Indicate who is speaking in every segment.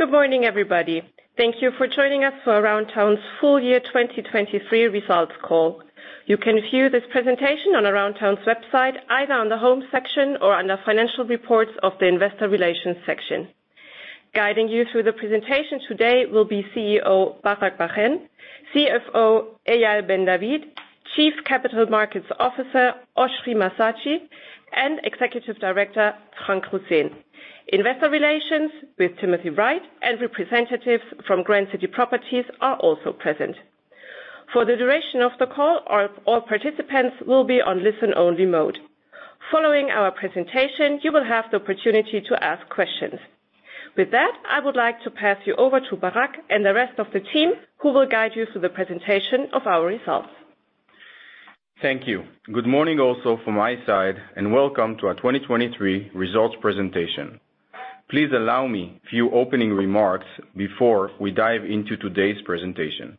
Speaker 1: Good morning, everybody. Thank you for joining us for Aroundtown's full year 2023 results call. You can view this presentation on Aroundtown's website, either on the Home section or under Financial Reports of the Investor Relations section. Guiding you through the presentation today will be CEO, Barak Bar-Hen; CFO, Eyal Ben David; Chief Capital Markets Officer, Oschrie Massatschi; and Executive Director, Frank Roseen. Investor Relations with Timothy Wright and representatives from Grand City Properties are also present. For the duration of the call, all participants will be on listen-only mode. Following our presentation, you will have the opportunity to ask questions. With that, I would like to pass you over to Barak and the rest of the team, who will guide you through the presentation of our results.
Speaker 2: Thank you. Good morning also from my side, and welcome to our 2023 results presentation. Please allow me a few opening remarks before we dive into today's presentation.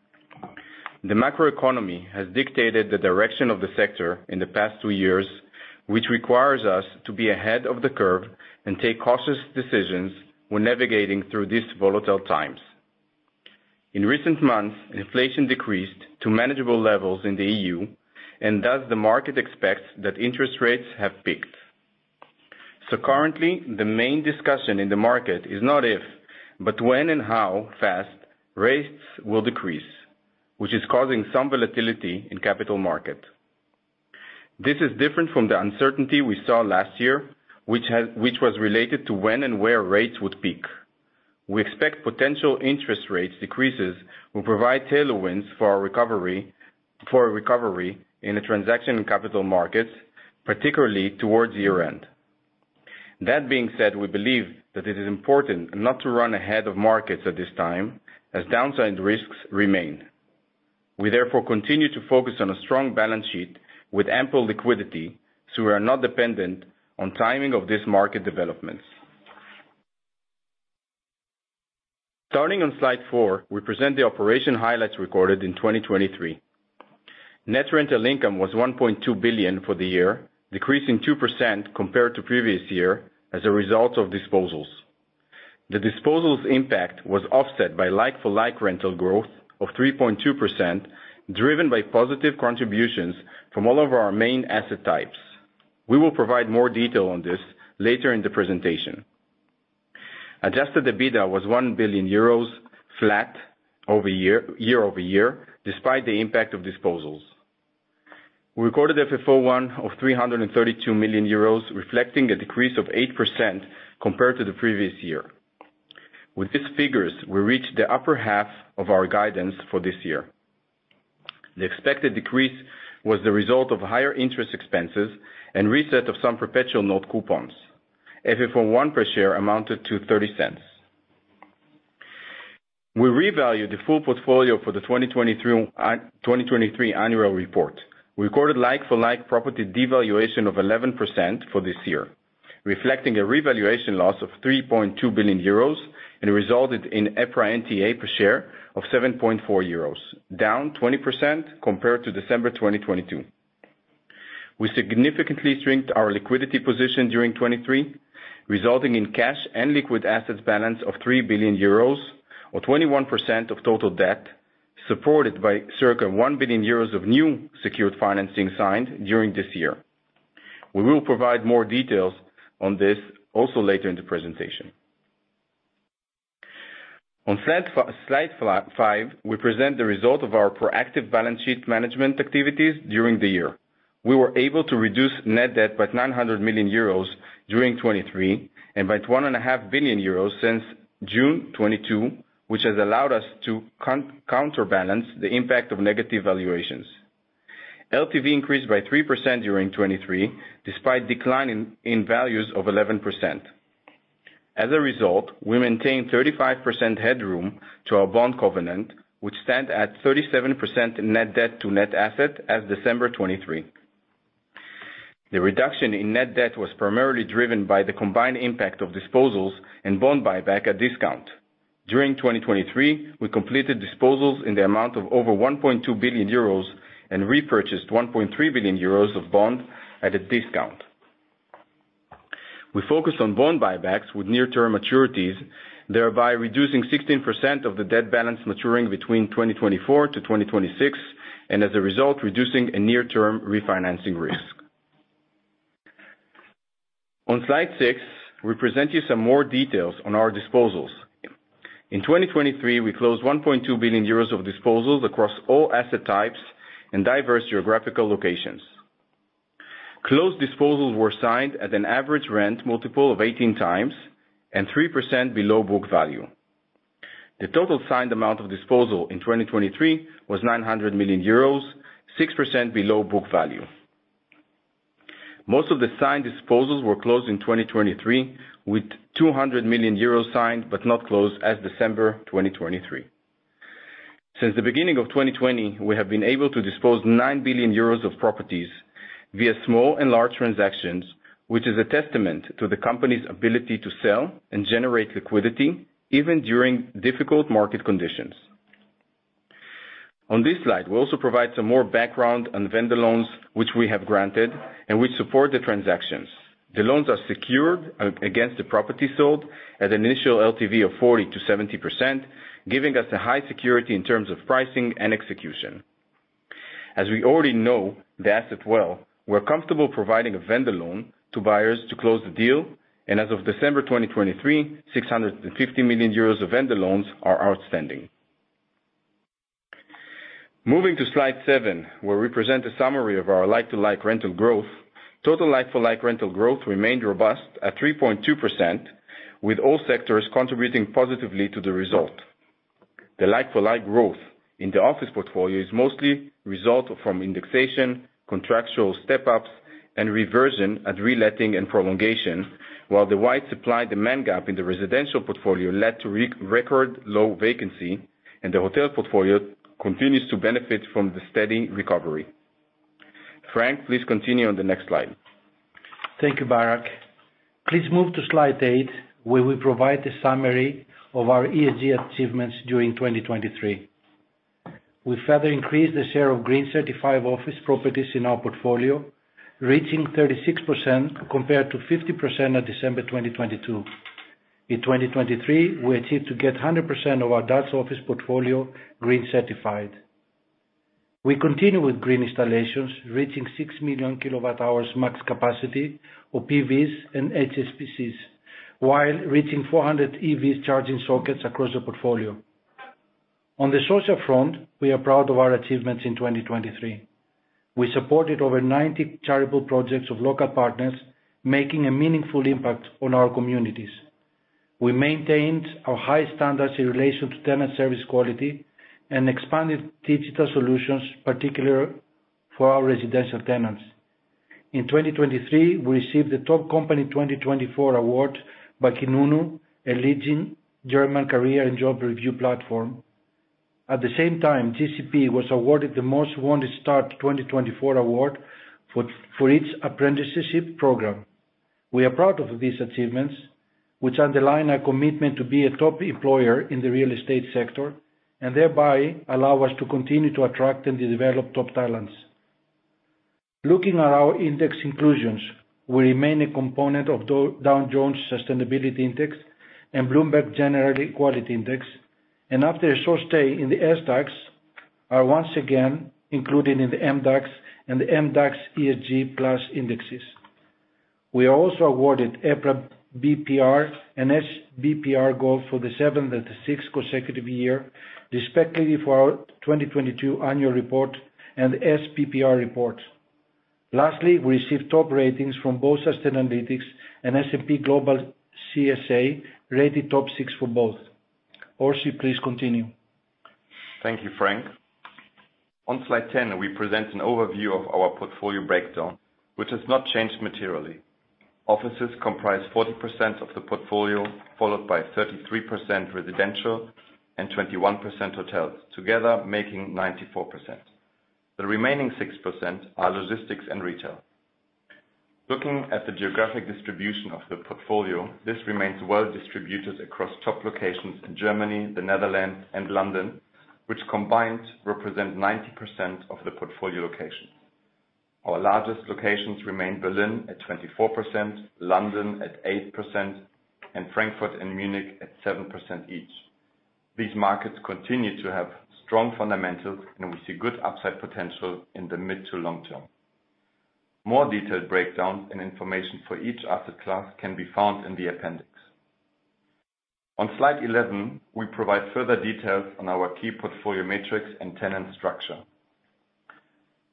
Speaker 2: The macroeconomy has dictated the direction of the sector in the past two years, which requires us to be ahead of the curve and take cautious decisions when navigating through these volatile times. In recent months, inflation decreased to manageable levels in the EU, and thus the market expects that interest rates have peaked. So currently, the main discussion in the market is not if, but when and how fast rates will decrease, which is causing some volatility in capital market. This is different from the uncertainty we saw last year, which was related to when and where rates would peak. We expect potential interest rates decreases will provide tailwinds for our recovery—for a recovery in the transaction and capital markets, particularly towards year-end. That being said, we believe that it is important not to run ahead of markets at this time, as downside risks remain. We therefore continue to focus on a strong balance sheet with ample liquidity, so we are not dependent on timing of this market developments. Starting on slide 4, we present the operational highlights recorded in 2023. Net rental income was 1.2 billion for the year, decreasing 2% compared to previous year as a result of disposals. The disposals impact was offset by like-for-like rental growth of 3.2%, driven by positive contributions from all of our main asset types. We will provide more detail on this later in the presentation. Adjusted EBITDA was 1 billion euros, flat year-over-year, despite the impact of disposals. We recorded FFO I of 332 million euros, reflecting a decrease of 8% compared to the previous year. With these figures, we reached the upper half of our guidance for this year. The expected decrease was the result of higher interest expenses and reset of some perpetual note coupons. FFO I per share amounted to 0.30. We revalued the full portfolio for the 2023 annual report. We recorded like-for-like property devaluation of 11% for this year, reflecting a revaluation loss of 3.2 billion euros, and resulted in EPRA NTA per share of 7.4 euros, down 20% compared to December 2022. We significantly strengthened our liquidity position during 2023, resulting in cash and liquid assets balance of 3 billion euros, or 21% of total debt, supported by circa 1 billion euros of new secured financing signed during this year. We will provide more details on this also later in the presentation. On slide five, we present the result of our proactive balance sheet management activities during the year. We were able to reduce net debt by 900 million euros during 2023, and by 1.5 billion euros since June 2022, which has allowed us to counterbalance the impact of negative valuations. LTV increased by 3% during 2023, despite declining in values of 11%. As a result, we maintained 35% headroom to our bond covenant, which stand at 37% net debt to net asset as December 2023. The reduction in net debt was primarily driven by the combined impact of disposals and bond buyback at discount. During 2023, we completed disposals in the amount of over 1.2 billion euros and repurchased 1.3 billion euros of bond at a discount. We focused on bond buybacks with near-term maturities, thereby reducing 16% of the debt balance maturing between 2024-2026, and as a result, reducing a near-term refinancing risk. On slide 6, we present you some more details on our disposals. In 2023, we closed 1.2 billion euros of disposals across all asset types and diverse geographical locations. Closed disposals were signed at an average rent multiple of 18x and 3% below book value. The total signed amount of disposal in 2023 was 900 million euros, 6% below book value. Most of the signed disposals were closed in 2023, with 200 million euros signed, but not closed as of December 2023. Since the beginning of 2020, we have been able to dispose of 9 billion euros of properties via small and large transactions, which is a testament to the company's ability to sell and generate liquidity, even during difficult market conditions. On this slide, we also provide some more background on vendor loans, which we have granted and which support the transactions. The loans are secured against the property sold at an initial LTV of 40%-70%, giving us a high security in terms of pricing and execution. As we already know the asset well, we're comfortable providing a vendor loan to buyers to close the deal, and as of December 2023, 650 million euros of vendor loans are outstanding. Moving to slide 7, where we present a summary of our like-for-like rental growth. Total like-for-like rental growth remained robust at 3.2%, with all sectors contributing positively to the result. The like-for-like growth in the office portfolio is mostly results from indexation, contractual step-ups, and reversion at reletting and prolongation. While the wide supply-demand gap in the residential portfolio led to record low vacancy, and the hotel portfolio continues to benefit from the steady recovery. Frank, please continue on the next slide.
Speaker 3: Thank you, Barak. Please move to slide 8, where we provide a summary of our ESG achievements during 2023. We further increased the share of green-certified office properties in our portfolio, reaching 36% compared to 50% at December 2022. In 2023, we achieved to get 100% of our Dutch office portfolio green certified. We continue with green installations, reaching 6 million kWh max capacity for PVs and CHPs, while reaching 400 EV charging sockets across the portfolio. On the social front, we are proud of our achievements in 2023. We supported over 90 charitable projects of local partners, making a meaningful impact on our communities. We maintained our high standards in relation to tenant service quality and expanded digital solutions, particularly for our residential tenants. In 2023, we received the Top Company 2024 award by kununu, a leading German career and job review platform. At the same time, GCP was awarded the Most Wanted Start 2024 award for its apprenticeship program. We are proud of these achievements, which underline our commitment to be a top employer in the real estate sector, and thereby allow us to continue to attract and develop top talents. Looking at our index inclusions, we remain a component of Dow Jones Sustainability Index and Bloomberg Gender-Equality Index, and after a short stay in the SDAX, are once again included in the MDAX and the MDAX ESG+ indexes. We are also awarded EPRA BPR and SBPR Gold for the seventh and the sixth consecutive year, respectively, for our 2022 annual report and SBPR report. Lastly, we received top ratings from both Sustainalytics and S&P Global CSA, rated top six for both. Oschrie, please continue.
Speaker 4: Thank you, Frank. On slide 10, we present an overview of our portfolio breakdown, which has not changed materially. Offices comprise 40% of the portfolio, followed by 33% residential and 21% hotels, together making 94%. The remaining 6% are logistics and retail. Looking at the geographic distribution of the portfolio, this remains well distributed across top locations in Germany, the Netherlands, and London, which combined represent 90% of the portfolio locations. Our largest locations remain Berlin at 24%, London at 8%, and Frankfurt and Munich at 7% each. These markets continue to have strong fundamentals, and we see good upside potential in the mid to long term. More detailed breakdowns and information for each asset class can be found in the appendix. On slide 11, we provide further details on our key portfolio metrics and tenant structure.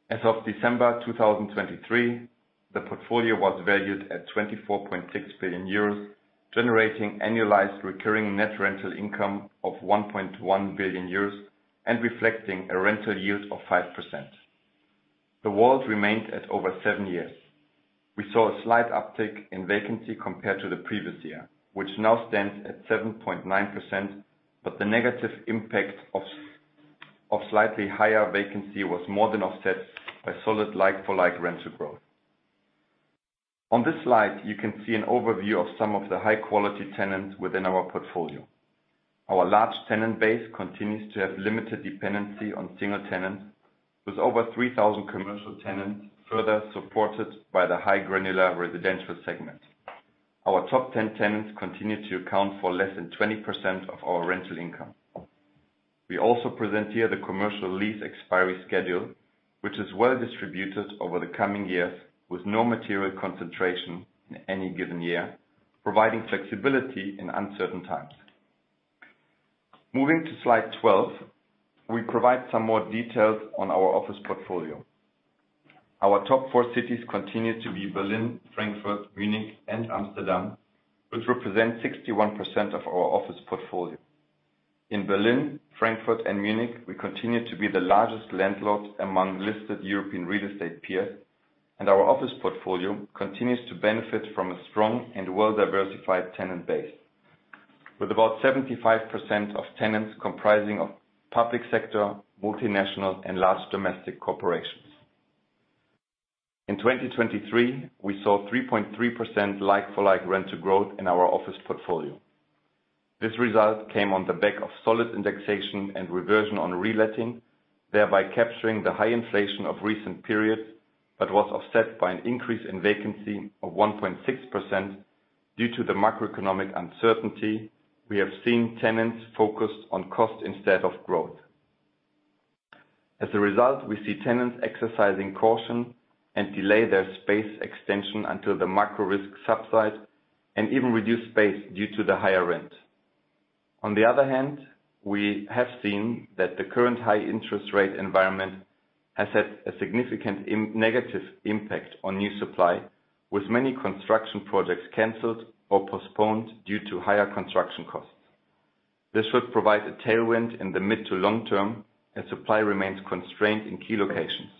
Speaker 4: As of December 2023, the portfolio was valued at 24.6 billion euros, generating annualized recurring net rental income of 1.1 billion euros and reflecting a rental yield of 5%. The WALT remained at over 7 years. We saw a slight uptick in vacancy compared to the previous year, which now stands at 7.9%, but the negative impact of slightly higher vacancy was more than offset by solid like-for-like rental growth. On this slide, you can see an overview of some of the high-quality tenants within our portfolio. Our large tenant base continues to have limited dependency on single tenants, with over 3,000 commercial tenants, further supported by the high granular residential segment. Our top 10 tenants continue to account for less than 20% of our rental income. We also present here the commercial lease expiry schedule, which is well distributed over the coming years, with no material concentration in any given year, providing flexibility in uncertain times. Moving to slide 12, we provide some more details on our office portfolio. Our top four cities continue to be Berlin, Frankfurt, Munich, and Amsterdam, which represent 61% of our office portfolio. In Berlin, Frankfurt, and Munich, we continue to be the largest landlord among listed European real estate peers, and our office portfolio continues to benefit from a strong and well-diversified tenant base. With about 75% of tenants comprising of public sector, multinational, and large domestic corporations.... In 2023, we saw 3.3% like-for-like rental growth in our office portfolio. This result came on the back of solid indexation and reversion on reletting, thereby capturing the high inflation of recent periods, but was offset by an increase in vacancy of 1.6%. Due to the macroeconomic uncertainty, we have seen tenants focused on cost instead of growth. As a result, we see tenants exercising caution and delay their space extension until the macro risk subside, and even reduce space due to the higher rent. On the other hand, we have seen that the current high interest rate environment has had a significant negative impact on new supply, with many construction projects canceled or postponed due to higher construction costs. This should provide a tailwind in the mid to long term, as supply remains constrained in key locations.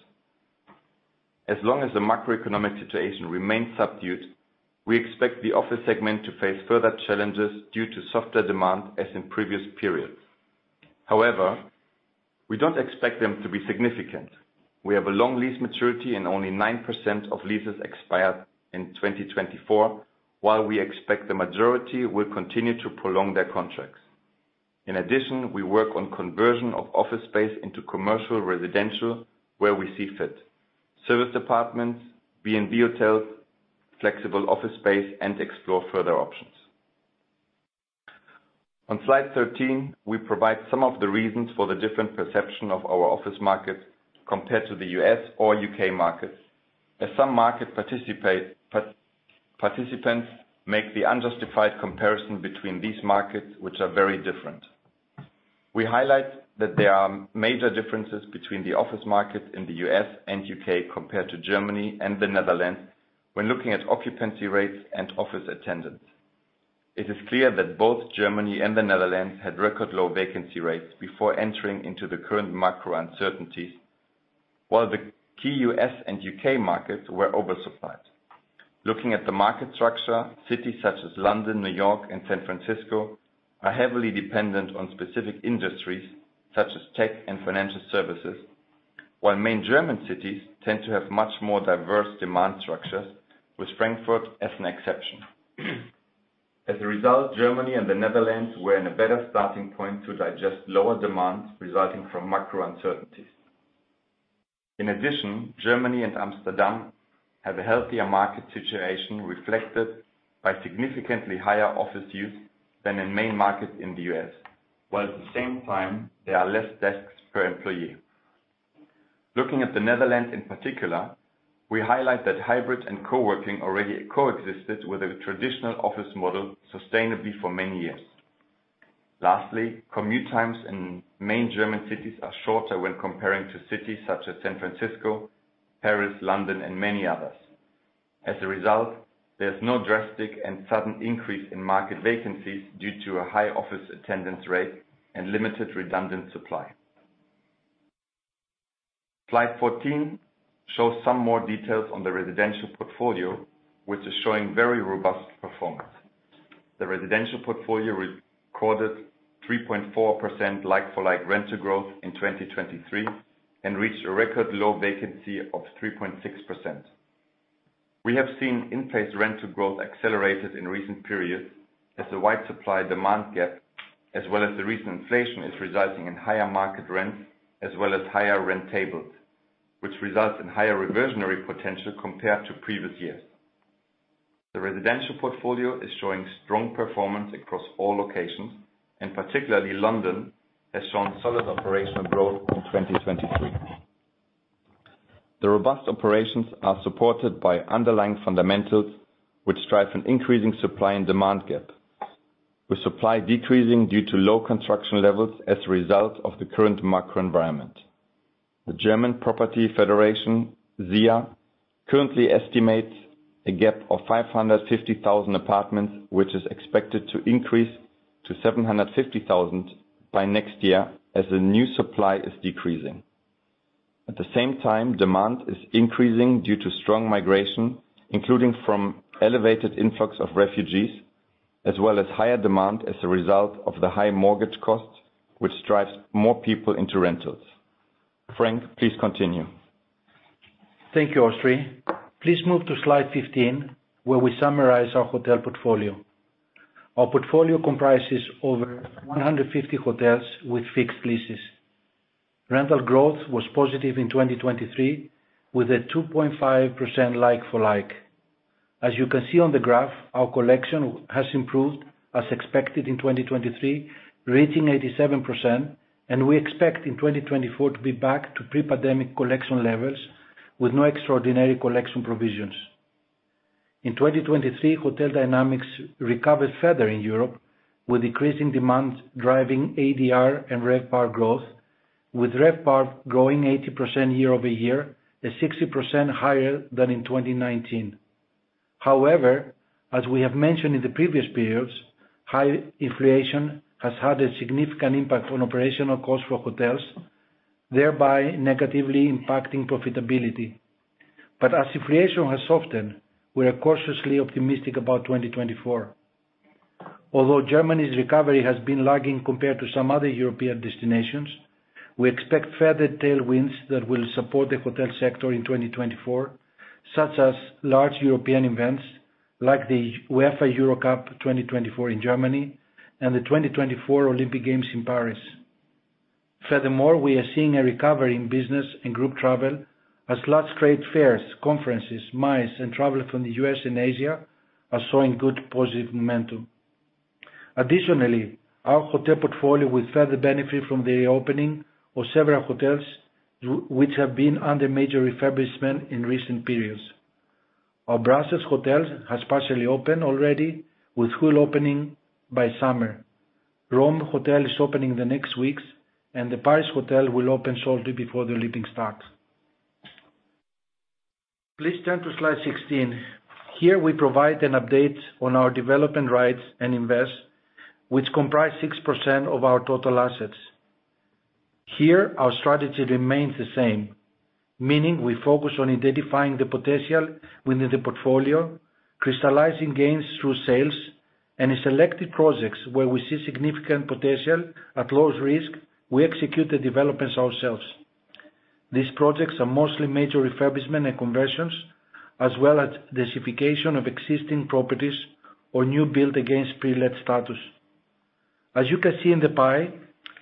Speaker 4: As long as the macroeconomic situation remains subdued, we expect the office segment to face further challenges due to softer demand, as in previous periods. However, we don't expect them to be significant. We have a long lease maturity, and only 9% of leases expire in 2024, while we expect the majority will continue to prolong their contracts. In addition, we work on conversion of office space into commercial, residential, where we see fit. Serviced apartments, B&B hotels, flexible office space, and explore further options. On slide 13, we provide some of the reasons for the different perception of our office market compared to the U.S. or U.K. markets, as some market participants make the unjustified comparison between these markets, which are very different. We highlight that there are major differences between the office market in the U.S. and U.K. compared to Germany and the Netherlands when looking at occupancy rates and office attendance. It is clear that both Germany and the Netherlands had record low vacancy rates before entering into the current macro uncertainties, while the key U.S. and U.K. markets were oversupplied. Looking at the market structure, cities such as London, New York, and San Francisco are heavily dependent on specific industries such as tech and financial services, while main German cities tend to have much more diverse demand structures, with Frankfurt as an exception. As a result, Germany and the Netherlands were in a better starting point to digest lower demands resulting from macro uncertainties. In addition, Germany and Amsterdam have a healthier market situation, reflected by significantly higher office use than in main markets in the U.S., while at the same time there are less desks per employee. Looking at the Netherlands in particular, we highlight that hybrid and coworking already coexisted with a traditional office model sustainably for many years. Lastly, commute times in main German cities are shorter when comparing to cities such as San Francisco, Paris, London, and many others. As a result, there's no drastic and sudden increase in market vacancies due to a high office attendance rate and limited redundant supply. Slide 14 shows some more details on the residential portfolio, which is showing very robust performance. The residential portfolio recorded 3.4% like-for-like rental growth in 2023, and reached a record low vacancy of 3.6%. We have seen in-place rental growth accelerated in recent periods, as the wide supply demand gap, as well as the recent inflation, is resulting in higher market rents, as well as higher rent tables, which results in higher reversionary potential compared to previous years. The residential portfolio is showing strong performance across all locations, and particularly London, has shown solid operational growth in 2023. The robust operations are supported by underlying fundamentals, which drive an increasing supply and demand gap, with supply decreasing due to low construction levels as a result of the current macro environment. The German Property Federation, ZIA, currently estimates a gap of 550,000 apartments, which is expected to increase to 750,000 by next year as the new supply is decreasing. At the same time, demand is increasing due to strong migration, including from elevated influx of refugees, as well as higher demand as a result of the high mortgage costs, which drives more people into rentals. Frank, please continue.
Speaker 3: Thank you, Oschrie. Please move to slide 15, where we summarize our hotel portfolio. Our portfolio comprises over 150 hotels with fixed leases. Rental growth was positive in 2023, with a 2.5% like for like. As you can see on the graph, our collection has improved as expected in 2023, reaching 87%, and we expect in 2024 to be back to pre-pandemic collection levels with no extraordinary collection provisions. In 2023, hotel dynamics recovered further in Europe, with decreasing demand driving ADR and RevPAR growth, with RevPAR growing 80% year-over-year, and 60% higher than in 2019. However, as we have mentioned in the previous periods, high inflation has had a significant impact on operational costs for hotels, thereby negatively impacting profitability. But as inflation has softened, we are cautiously optimistic about 2024.... Although Germany's recovery has been lagging compared to some other European destinations, we expect further tailwinds that will support the hotel sector in 2024, such as large European events like the UEFA Euro Cup 2024 in Germany and the 2024 Olympic Games in Paris. Furthermore, we are seeing a recovery in business and group travel as large trade fairs, conferences, MICE, and travel from the U.S. and Asia are showing good positive momentum. Additionally, our hotel portfolio will further benefit from the opening of several hotels, which have been under major refurbishment in recent periods. Our Brussels hotel has partially opened already, with full opening by summer. Rome hotel is opening the next weeks, and the Paris hotel will open shortly before the Olympic start. Please turn to slide 16. Here we provide an update on our development rights and investments, which comprise 6% of our total assets. Here, our strategy remains the same, meaning we focus on identifying the potential within the portfolio, crystallizing gains through sales, and in selected projects where we see significant potential at lower risk, we execute the developments ourselves. These projects are mostly major refurbishment and conversions, as well as densification of existing properties or new build against pre-let status. As you can see in the pie,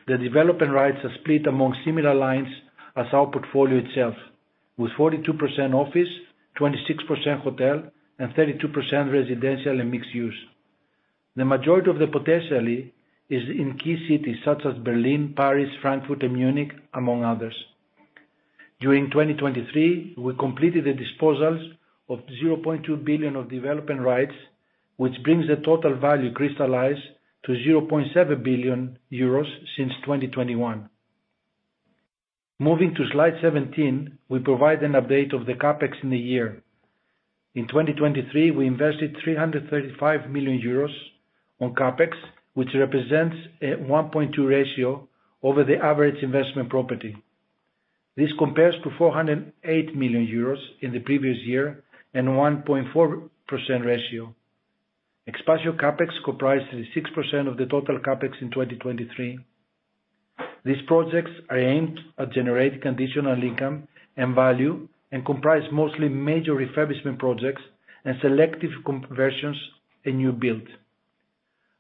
Speaker 3: the development rights are split among similar lines as our portfolio itself, with 42% office, 26% hotel, and 32% residential and mixed use. The majority of the potential is in key cities such as Berlin, Paris, Frankfurt, and Munich, among others. During 2023, we completed the disposals of 0.2 billion of development rights, which brings the total value crystallized to 0.7 billion euros since 2021. Moving to slide 17, we provide an update of the CapEx in the year. In 2023, we invested 335 million euros on CapEx, which represents a 1.2 ratio over the average investment property. This compares to 408 million euros in the previous year and 1.4% ratio. Expansion CapEx comprises 6% of the total CapEx in 2023. These projects are aimed at generating conditional income and value, and comprise mostly major refurbishment projects and selective conversions and new build.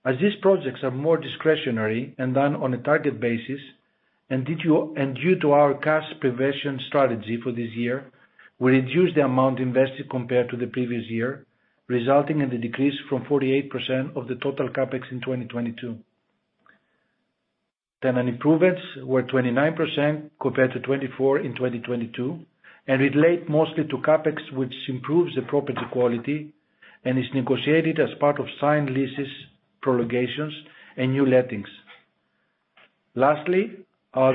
Speaker 3: As these projects are more discretionary and done on a target basis, and due to our cash preservation strategy for this year, we reduced the amount invested compared to the previous year, resulting in a decrease from 48% of the total CapEx in 2022. Then improvements were 29% compared to 24% in 2022, and relate mostly to CapEx, which improves the property quality and is negotiated as part of signed leases, prolongations, and new lettings. Lastly, our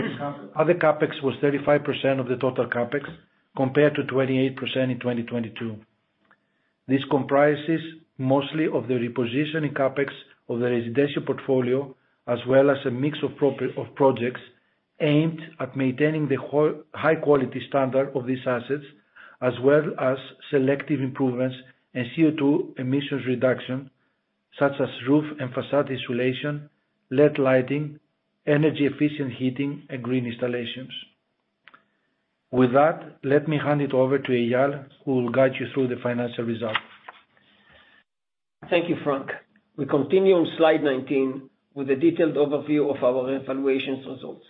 Speaker 3: other CapEx was 35% of the total CapEx, compared to 28% in 2022. This comprises mostly of the repositioning CapEx of the residential portfolio, as well as a mix of projects aimed at maintaining the high quality standard of these assets, as well as selective improvements and CO2 emissions reduction, such as roof and facade insulation, LED lighting, energy-efficient heating, and green installations. With that, let me hand it over to Eyal, who will guide you through the financial results.
Speaker 5: Thank you, Frank. We continue on slide 19 with a detailed overview of our revaluation results.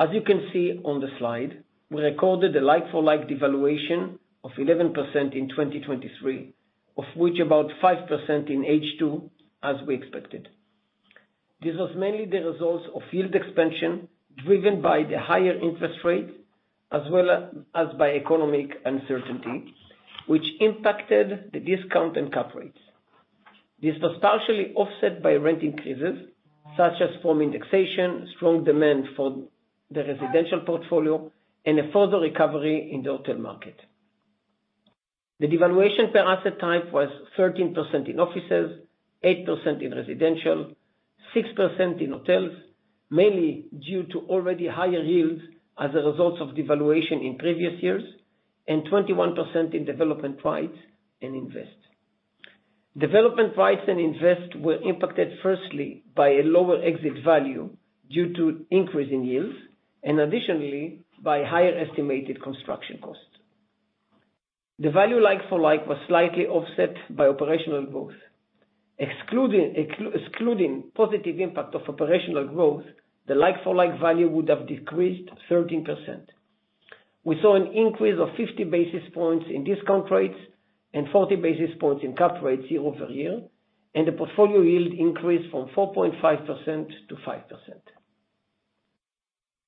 Speaker 5: As you can see on the slide, we recorded a like-for-like devaluation of 11% in 2023, of which about 5% in H2, as we expected. This was mainly the result of yield expansion, driven by the higher interest rate, as well as by economic uncertainty, which impacted the discount and cap rates. This was partially offset by rent increases, such as inflation indexation, strong demand for the residential portfolio, and a further recovery in the hotel market. The devaluation per asset type was 13% in offices, 8% in residential, 6% in hotels, mainly due to already higher yields as a result of devaluation in previous years, and 21% in development rights and investments. Development rights and investments were impacted firstly by a lower exit value due to increase in yields, and additionally by higher estimated construction costs. The value like-for-like was slightly offset by operational growth. Excluding positive impact of operational growth, the like-for-like value would have decreased 13%. We saw an increase of 50 basis points in discount rates and 40 basis points in cap rates year-over-year, and the portfolio yield increased from 4.5% to 5%.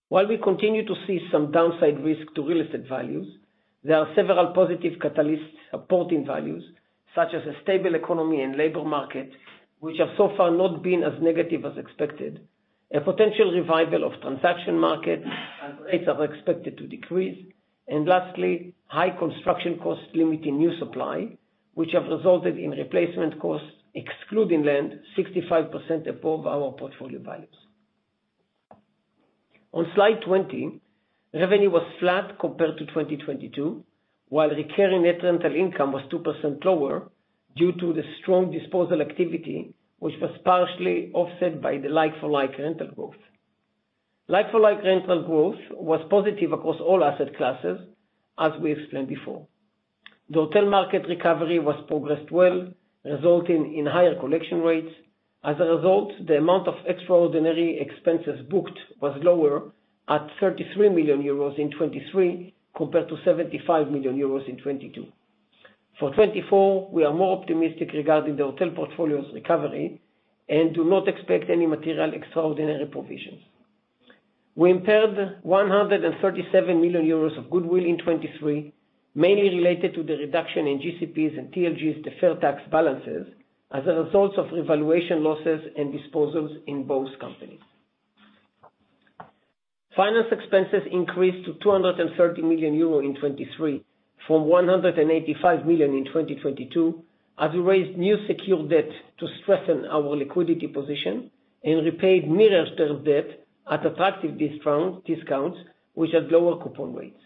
Speaker 5: While we continue to see some downside risk to real estate values, there are several positive catalysts supporting values, such as a stable economy and labor market, which have so far not been as negative as expected, a potential revival of transaction markets as rates are expected to decrease, and lastly, high construction costs limiting new supply, which have resulted in replacement costs, excluding land, 65% above our portfolio values. On slide 20, revenue was flat compared to 2022, while recurring net rental income was 2% lower due to the strong disposal activity, which was partially offset by the like-for-like rental growth. Like-for-like rental growth was positive across all asset classes, as we explained before. The hotel market recovery was progressed well, resulting in higher collection rates. As a result, the amount of extraordinary expenses booked was lower at 33 million euros in 2023, compared to 75 million euros in 2022. For 2024, we are more optimistic regarding the hotel portfolio's recovery and do not expect any material extraordinary provisions. We impaired 137 million euros of goodwill in 2023, mainly related to the reduction in GCP's and TLG's deferred tax balances as a result of revaluation losses and disposals in both companies. Finance expenses increased to 230 million euro in 2023, from 185 million in 2022, as we raised new secured debt to strengthen our liquidity position and repaid medium-term debt at attractive discounts, which had lower coupon rates.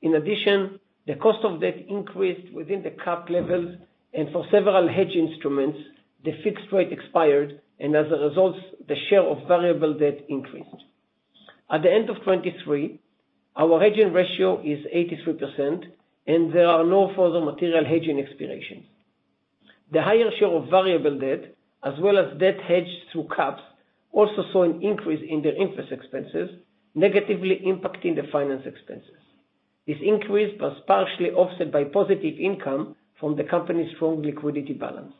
Speaker 5: In addition, the cost of debt increased within the cap levels, and for several hedge instruments, the fixed rate expired, and as a result, the share of variable debt increased. At the end of 2023, our hedging ratio is 83%, and there are no further material hedging expirations. The higher share of variable debt, as well as debt hedged through caps, also saw an increase in their interest expenses, negatively impacting the finance expenses. This increase was partially offset by positive income from the company's strong liquidity balance.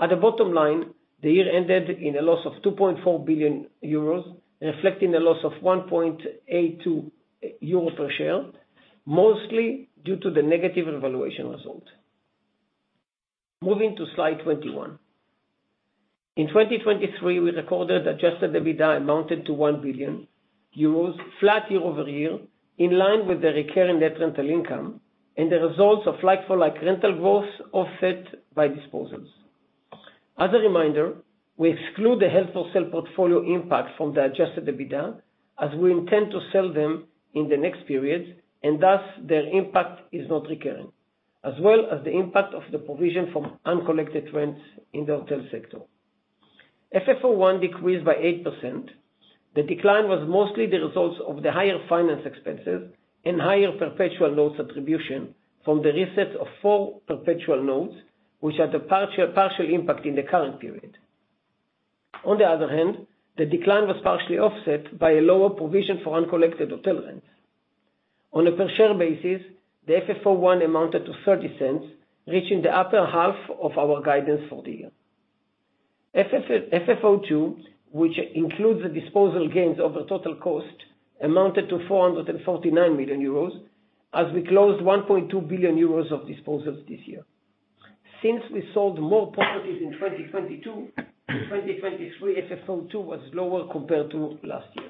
Speaker 5: At the bottom line, the year ended in a loss of 2.4 billion euros, reflecting a loss of 1.82 euro per share, mostly due to the negative evaluation result. Moving to slide 21. In 2023, we recorded adjusted EBITDA amounted to 1 billion euros, flat year-over-year, in line with the recurring net rental income and the results of like-for-like rental growth offset by disposals. As a reminder, we exclude the held-for-sale portfolio impact from the adjusted EBITDA, as we intend to sell them in the next period, and thus their impact is not recurring, as well as the impact of the provision from uncollected rents in the hotel sector. FFO 1 decreased by 8%. The decline was mostly the results of the higher finance expenses and higher perpetual notes distribution from the reset of 4 perpetual notes, which had a partial impact in the current period. On the other hand, the decline was partially offset by a lower provision for uncollected hotel rents. On a per share basis, the FFO one amounted to 0.30 EUR, reaching the upper half of our guidance for the year. FFO two, which includes the disposal gains over total cost, amounted to 449 million euros, as we closed 1.2 billion euros of disposals this year. Since we sold more properties in 2022, in 2023, FFO two was lower compared to last year.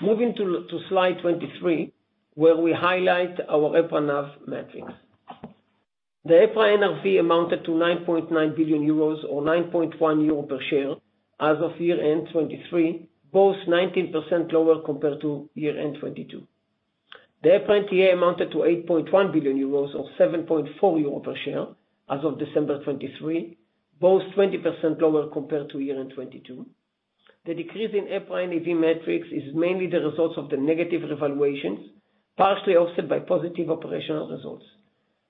Speaker 5: Moving to slide 23, where we highlight our EPRA NAV metrics. The EPRA NAV amounted to 9.9 billion euros, or 9.1 euro per share as of year-end 2023, both 19% lower compared to year-end 2022. The EPRA NTA amounted to 8.1 billion euros, or 7.4 euro per share as of December 2023, both 20% lower compared to year-end 2022. The decrease in EPRA NAV metrics is mainly the results of the negative revaluations, partially offset by positive operational results.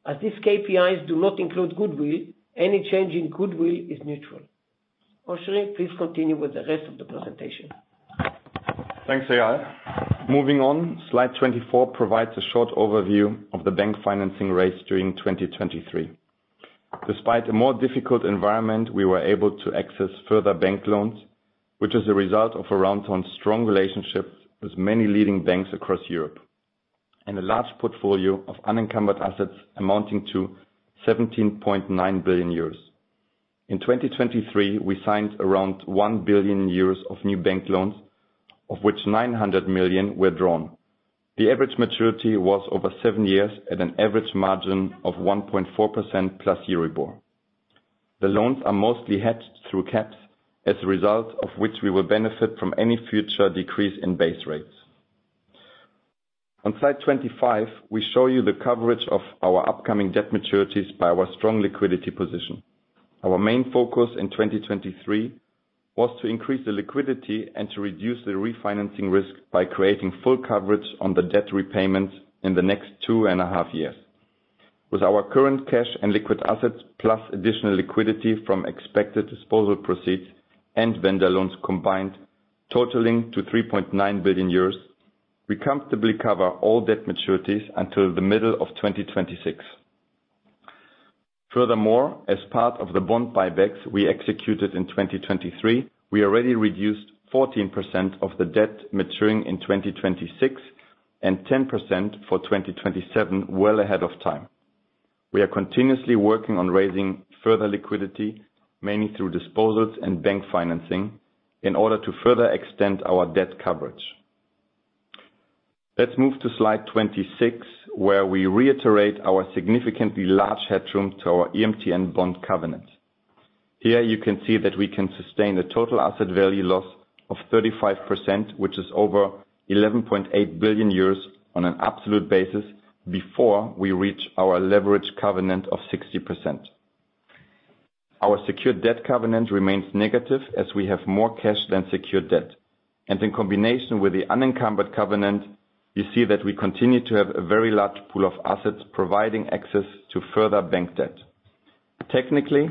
Speaker 5: As these KPIs do not include goodwill, any change in goodwill is neutral. Oschrie, please continue with the rest of the presentation.
Speaker 4: Thanks, Eyal. Moving on, slide 24 provides a short overview of the bank financing rates during 2023. Despite a more difficult environment, we were able to access further bank loans, which is a result of Aroundtown's strong relationships with many leading banks across Europe, and a large portfolio of unencumbered assets amounting to 17.9 billion euros. In 2023, we signed around 1 billion euros of new bank loans, of which 900 million were drawn. The average maturity was over 7 years, at an average margin of 1.4% plus Euribor. The loans are mostly hedged through caps, as a result of which we will benefit from any future decrease in base rates. On slide 25, we show you the coverage of our upcoming debt maturities by our strong liquidity position. Our main focus in 2023 was to increase the liquidity and to reduce the refinancing risk by creating full coverage on the debt repayments in the next two and a half years. With our current cash and liquid assets, plus additional liquidity from expected disposal proceeds and vendor loans combined, totaling 3.9 billion, we comfortably cover all debt maturities until the middle of 2026. Furthermore, as part of the bond buybacks we executed in 2023, we already reduced 14% of the debt maturing in 2026, and 10% for 2027, well ahead of time. We are continuously working on raising further liquidity, mainly through disposals and bank financing, in order to further extend our debt coverage. Let's move to slide 26, where we reiterate our significantly large headroom to our EMTN bond covenant. Here you can see that we can sustain a total asset value loss of 35%, which is over 11.8 billion on an absolute basis, before we reach our leverage covenant of 60%. Our secured debt covenant remains negative, as we have more cash than secured debt, and in combination with the unencumbered covenant, you see that we continue to have a very large pool of assets providing access to further bank debt. Technically,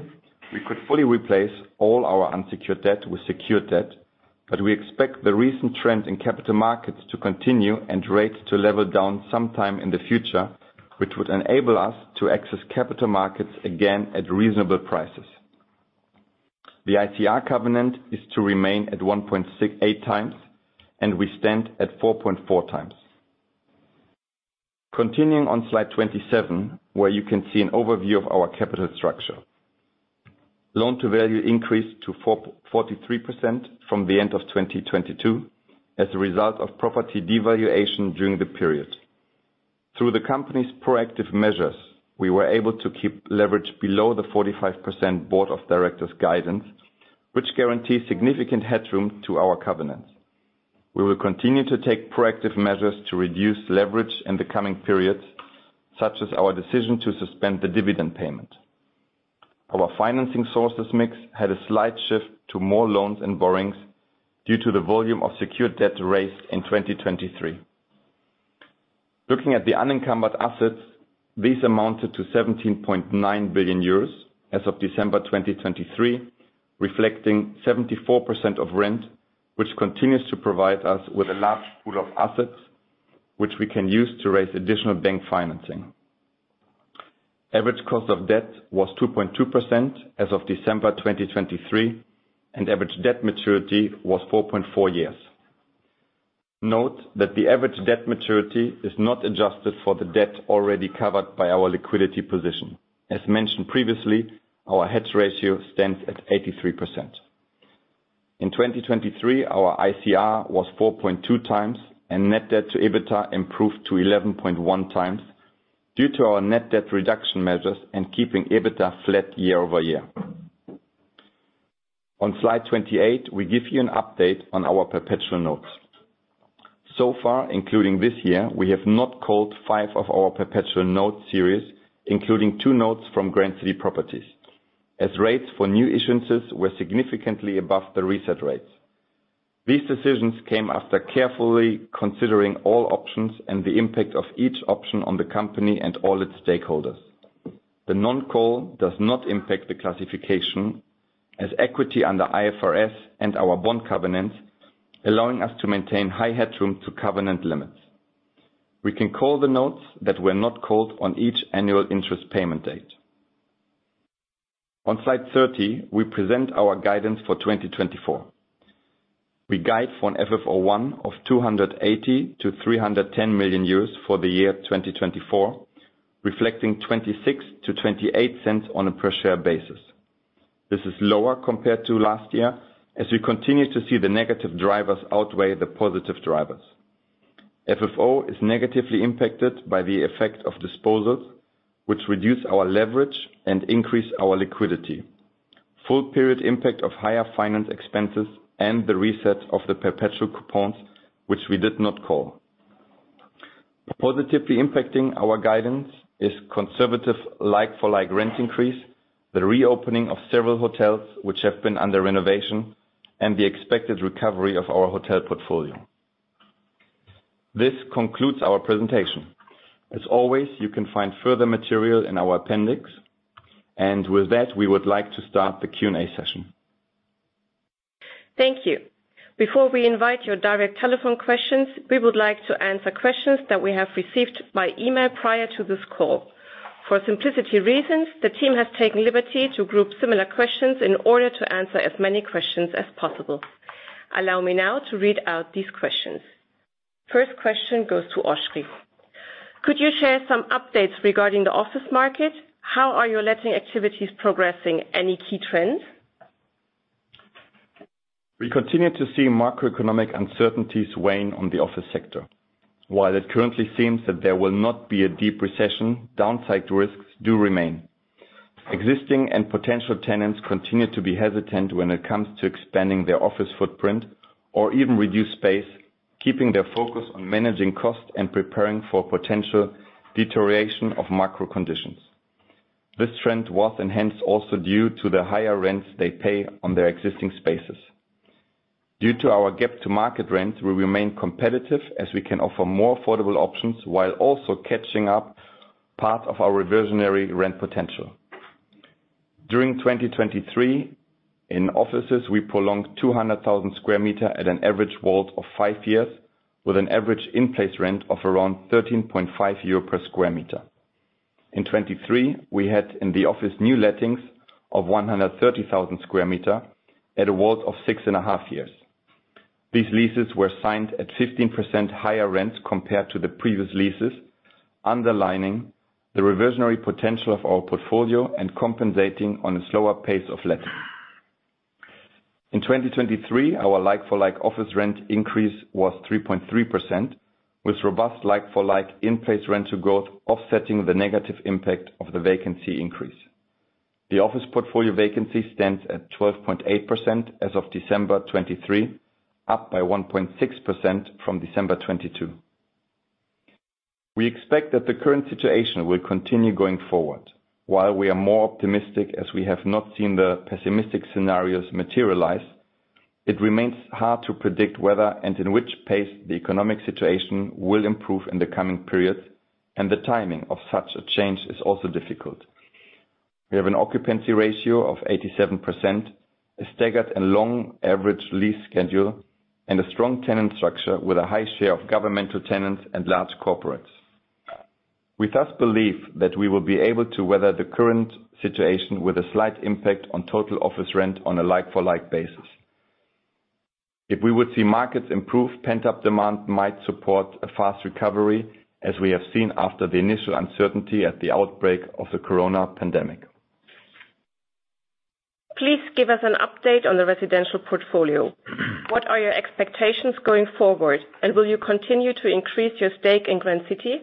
Speaker 4: we could fully replace all our unsecured debt with secured debt, but we expect the recent trend in capital markets to continue and rates to level down sometime in the future, which would enable us to access capital markets again at reasonable prices. The ICR covenant is to remain at 1.68 times, and we stand at 4.4 times. Continuing on slide 27, where you can see an overview of our capital structure. Loan-to-value increased to 43% from the end of 2022, as a result of property devaluation during the period. Through the company's proactive measures, we were able to keep leverage below the 45% board of directors guidance, which guarantees significant headroom to our covenants. We will continue to take proactive measures to reduce leverage in the coming periods, such as our decision to suspend the dividend payment. Our financing sources mix had a slight shift to more loans and borrowings due to the volume of secured debt raised in 2023. Looking at the unencumbered assets, these amounted to 17.9 billion euros as of December 2023, reflecting 74% of rent, which continues to provide us with a large pool of assets, which we can use to raise additional bank financing. Average cost of debt was 2.2% as of December 2023, and average debt maturity was 4.4 years. Note that the average debt maturity is not adjusted for the debt already covered by our liquidity position. As mentioned previously, our hedge ratio stands at 83%. In 2023, our ICR was 4.2 times, and net debt to EBITDA improved to 11.1 times due to our net debt reduction measures and keeping EBITDA flat year-over-year. On slide 28, we give you an update on our Perpetual Notes. So far, including this year, we have not called 5 of our Perpetual Notes series, including 2 notes from Grand City Properties, as rates for new issuances were significantly above the reset rates. These decisions came after carefully considering all options and the impact of each option on the company and all its stakeholders. The non-call does not impact the classification as equity under IFRS and our bond covenants, allowing us to maintain high headroom to covenant limits. We can call the notes that were not called on each annual interest payment date. On slide 30, we present our guidance for 2024. We guide for an FFO of 280 million-310 million euros for the year 2024, reflecting 26-28 cents on a per share basis. This is lower compared to last year, as we continue to see the negative drivers outweigh the positive drivers. FFO is negatively impacted by the effect of disposals, which reduce our leverage and increase our liquidity. Full period impact of higher finance expenses and the reset of the perpetual coupons, which we did not call. Positively impacting our guidance is conservative like-for-like rent increase, the reopening of several hotels which have been under renovation, and the expected recovery of our hotel portfolio. This concludes our presentation. As always, you can find further material in our appendix, and with that, we would like to start the Q&A session.
Speaker 1: Thank you. Before we invite your direct telephone questions, we would like to answer questions that we have received by email prior to this call. For simplicity reasons, the team has taken liberty to group similar questions in order to answer as many questions as possible. Allow me now to read out these questions. First question goes to Oschrie: Could you share some updates regarding the office market? How are your letting activities progressing? Any key trends?
Speaker 4: We continue to see macroeconomic uncertainties weighing on the office sector. While it currently seems that there will not be a deep recession, downside risks do remain. Existing and potential tenants continue to be hesitant when it comes to expanding their office footprint or even reduce space, keeping their focus on managing costs and preparing for potential deterioration of macro conditions. This trend was enhanced also due to the higher rents they pay on their existing spaces. Due to our gap to market rent, we remain competitive, as we can offer more affordable options while also catching up part of our reversionary rent potential. During 2023, in offices, we prolonged 200,000 square meters at an average WALT of 5 years, with an average in-place rent of around 13.5 euro per square meter. In 2023, we had in the office new lettings of 130,000 square meters at a WALT of 6.5 years. These leases were signed at 15% higher rents compared to the previous leases, underlining the reversionary potential of our portfolio and compensating on a slower pace of letting. In 2023, our like-for-like office rent increase was 3.3%, with robust like-for-like in-place rental growth offsetting the negative impact of the vacancy increase. The office portfolio vacancy stands at 12.8% as of December 2023, up by 1.6% from December 2022. We expect that the current situation will continue going forward. While we are more optimistic, as we have not seen the pessimistic scenarios materialize, it remains hard to predict whether and in which pace the economic situation will improve in the coming periods, and the timing of such a change is also difficult. We have an occupancy ratio of 87%, a staggered and long average lease schedule, and a strong tenant structure with a high share of governmental tenants and large corporates. We thus believe that we will be able to weather the current situation with a slight impact on total office rent on a like-for-like basis. If we would see markets improve, pent-up demand might support a fast recovery, as we have seen after the initial uncertainty at the outbreak of the Corona pandemic.
Speaker 1: Please give us an update on the residential portfolio. What are your expectations going forward, and will you continue to increase your stake in Grand City?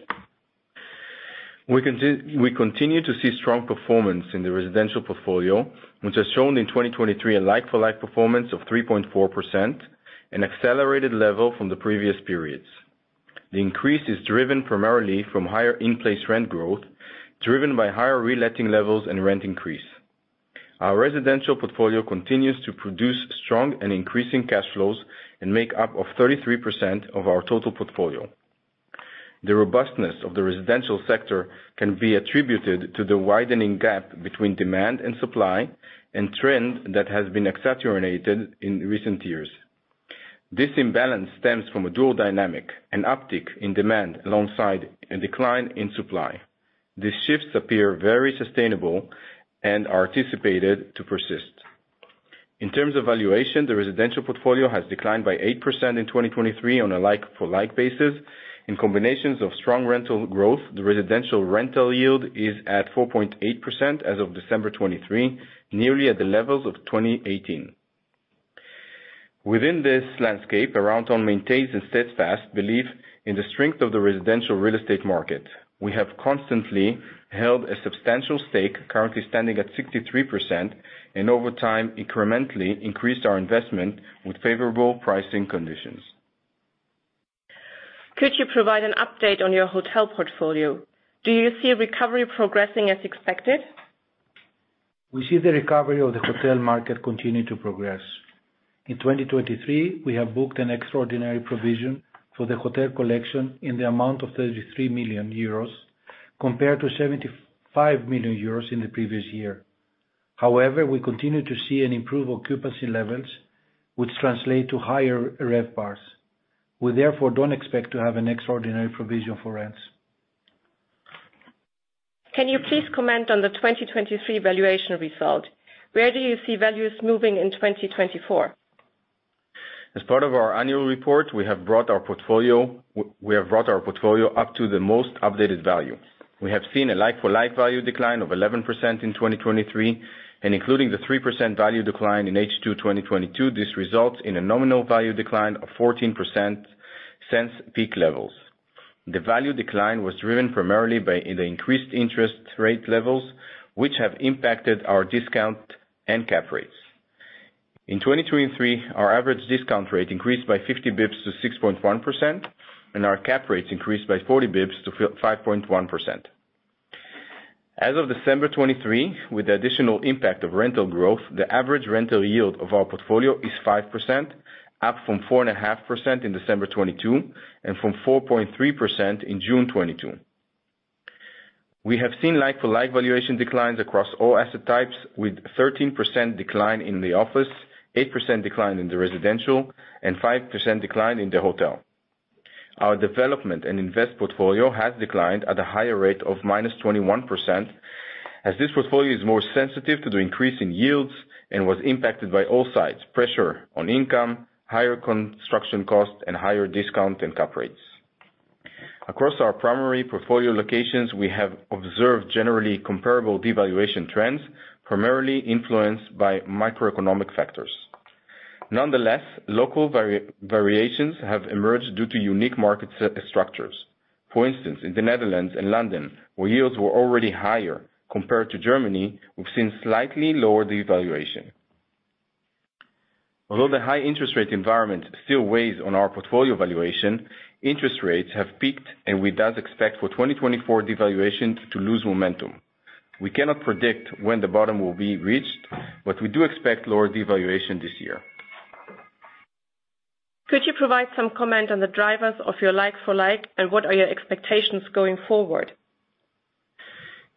Speaker 4: We continue to see strong performance in the residential portfolio, which has shown in 2023 a like-for-like performance of 3.4%, an accelerated level from the previous periods. The increase is driven primarily from higher in-place rent growth, driven by higher reletting levels and rent increase. Our residential portfolio continues to produce strong and increasing cash flows and makes up 33% of our total portfolio. The robustness of the residential sector can be attributed to the widening gap between demand and supply, a trend that has been accentuated in recent years. This imbalance stems from a dual dynamic, an uptick in demand alongside a decline in supply. These shifts appear very sustainable and are anticipated to persist. In terms of valuation, the residential portfolio has declined by 8% in 2023 on a like-for-like basis. In combinations of strong rental growth, the residential rental yield is at 4.8% as of December 2023, nearly at the levels of 2018. Within this landscape, Aroundtown maintains a steadfast belief in the strength of the residential real estate market. We have constantly held a substantial stake, currently standing at 63%, and over time, incrementally increased our investment with favorable pricing conditions.
Speaker 1: Could you provide an update on your hotel portfolio? Do you see a recovery progressing as expected?
Speaker 3: We see the recovery of the hotel market continue to progress. In 2023, we have booked an extraordinary provision for the hotel collection in the amount of 33 million euros, compared to 75 million euros in the previous year. However, we continue to see an improved occupancy levels, which translate to higher RevPARs. We therefore don't expect to have an extraordinary provision for rents.
Speaker 1: Can you please comment on the 2023 valuation result? Where do you see values moving in 2024?
Speaker 4: As part of our annual report, we have brought our portfolio up to the most updated value. We have seen a like-for-like value decline of 11% in 2023, and including the 3% value decline in H2 2022, this results in a nominal value decline of 14% since peak levels. The value decline was driven primarily by the increased interest rate levels, which have impacted our discount and cap rates. In 2023, our average discount rate increased by 50 basis points to 6.1%, and our cap rates increased by 40 basis points to 5.1%. As of December 2023, with the additional impact of rental growth, the average rental yield of our portfolio is 5%, up from 4.5% in December 2022, and from 4.3% in June 2022. We have seen like-for-like valuation declines across all asset types, with 13% decline in the office, 8% decline in the residential, and 5% decline in the hotel. Our development and invest portfolio has declined at a higher rate of -21%, as this portfolio is more sensitive to the increase in yields and was impacted by all sides: pressure on income, higher construction costs, and higher discount and cap rates. Across our primary portfolio locations, we have observed generally comparable devaluation trends, primarily influenced by microeconomic factors. Nonetheless, local variations have emerged due to unique market structures. For instance, in the Netherlands and London, where yields were already higher compared to Germany, we've seen slightly lower devaluation. Although the high interest rate environment still weighs on our portfolio valuation, interest rates have peaked, and we thus expect for 2024 devaluation to lose momentum. We cannot predict when the bottom will be reached, but we do expect lower devaluation this year.
Speaker 1: Could you provide some comment on the drivers of your like-for-like, and what are your expectations going forward?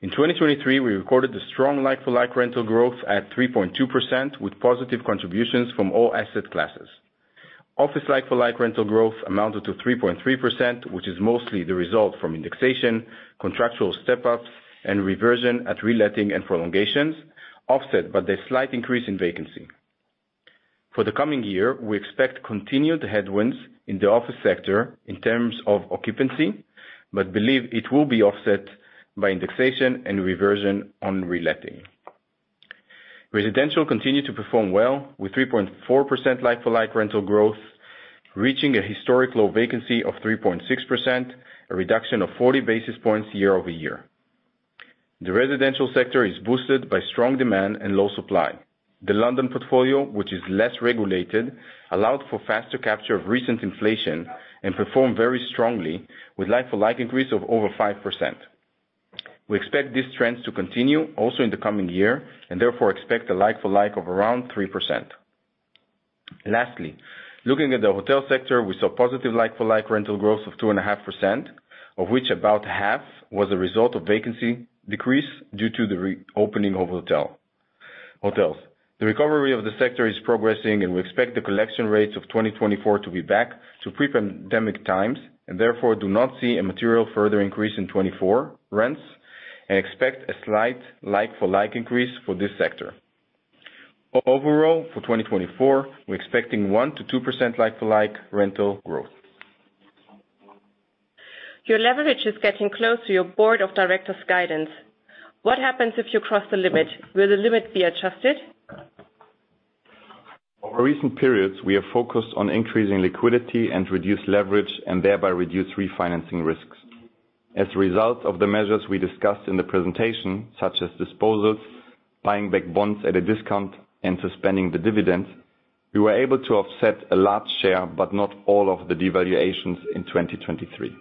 Speaker 4: In 2023, we recorded a strong like-for-like rental growth at 3.2%, with positive contributions from all asset classes. Office like-for-like rental growth amounted to 3.3%, which is mostly the result from indexation, contractual step-ups, and reversion at reletting and prolongations, offset by the slight increase in vacancy. For the coming year, we expect continued headwinds in the office sector in terms of occupancy, but believe it will be offset by indexation and reversion on reletting.... Residential continued to perform well, with 3.4% like-for-like rental growth, reaching a historic low vacancy of 3.6%, a reduction of 40 basis points year over year. The residential sector is boosted by strong demand and low supply. The London portfolio, which is less regulated, allowed for faster capture of recent inflation and performed very strongly with like-for-like increase of over 5%. We expect these trends to continue also in the coming year, and therefore expect a like-for-like of around 3%. Lastly, looking at the hotel sector, we saw positive like-for-like rental growth of 2.5%, of which about half was a result of vacancy decrease due to the re-opening of hotel. The recovery of the sector is progressing, and we expect the collection rates of 2024 to be back to pre-pandemic times, and therefore, do not see a material further increase in 2024 rents, and expect a slight like-for-like increase for this sector. Overall, for 2024, we're expecting 1%-2% like-for-like rental growth.
Speaker 1: Your leverage is getting close to your board of directors' guidance. What happens if you cross the limit? Will the limit be adjusted?
Speaker 4: Over recent periods, we have focused on increasing liquidity and reduce leverage, and thereby reduce refinancing risks. As a result of the measures we discussed in the presentation, such as disposals, buying back bonds at a discount, and suspending the dividends, we were able to offset a large share, but not all of the devaluations in 2023.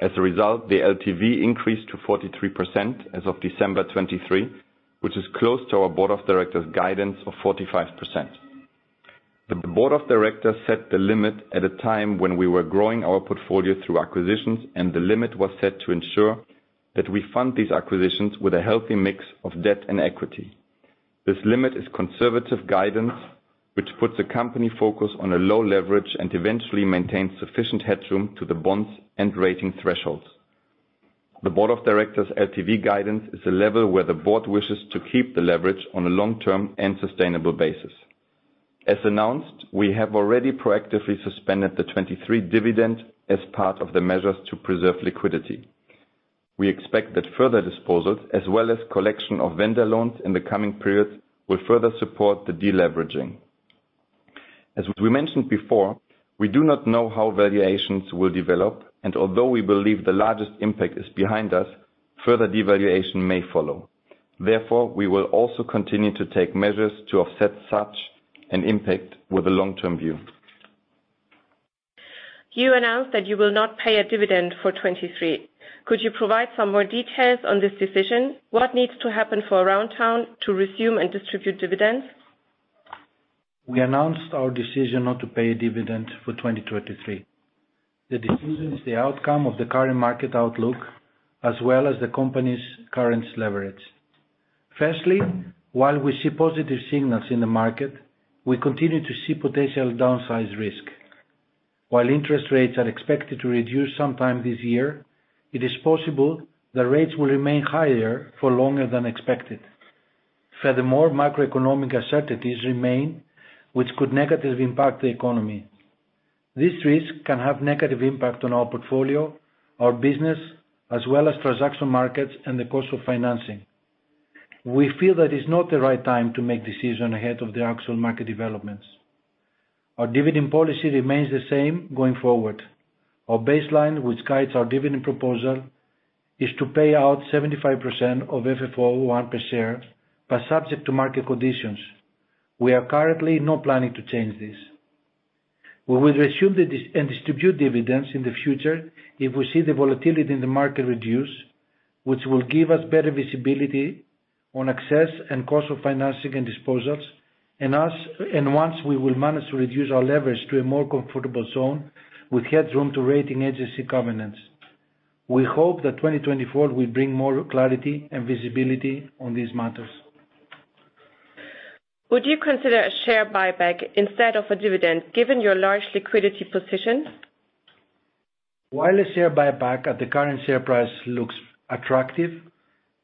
Speaker 4: As a result, the LTV increased to 43% as of December 2023, which is close to our board of directors' guidance of 45%. The board of directors set the limit at a time when we were growing our portfolio through acquisitions, and the limit was set to ensure that we fund these acquisitions with a healthy mix of debt and equity. This limit is conservative guidance, which puts the company focus on a low leverage and eventually maintains sufficient headroom to the bonds and rating thresholds. The Board of Directors' LTV guidance is a level where the board wishes to keep the leverage on a long-term and sustainable basis. As announced, we have already proactively suspended the 2023 dividend as part of the measures to preserve liquidity. We expect that further disposals, as well as collection of vendor loans in the coming periods, will further support the deleveraging. As we mentioned before, we do not know how valuations will develop, and although we believe the largest impact is behind us, further devaluation may follow. Therefore, we will also continue to take measures to offset such an impact with a long-term view.
Speaker 1: You announced that you will not pay a dividend for 2023. Could you provide some more details on this decision? What needs to happen for Aroundtown to resume and distribute dividends?
Speaker 3: We announced our decision not to pay a dividend for 2023. The decision is the outcome of the current market outlook, as well as the company's current leverage. Firstly, while we see positive signals in the market, we continue to see potential downside risk. While interest rates are expected to reduce sometime this year, it is possible the rates will remain higher for longer than expected. Furthermore, macroeconomic uncertainties remain, which could negatively impact the economy. This risk can have negative impact on our portfolio, our business, as well as transaction markets and the cost of financing. We feel that it's not the right time to make decision ahead of the actual market developments. Our dividend policy remains the same going forward. Our baseline, which guides our dividend proposal, is to pay out 75% of FFO 1 per share, but subject to market conditions. We are currently not planning to change this. We will resume the distribution and distribute dividends in the future if we see the volatility in the market reduce, which will give us better visibility on access and cost of financing and disposals, and once we will manage to reduce our leverage to a more comfortable zone with headroom to rating agency covenants. We hope that 2024 will bring more clarity and visibility on these matters.
Speaker 1: Would you consider a share buyback instead of a dividend, given your large liquidity position?
Speaker 3: While a share buyback at the current share price looks attractive,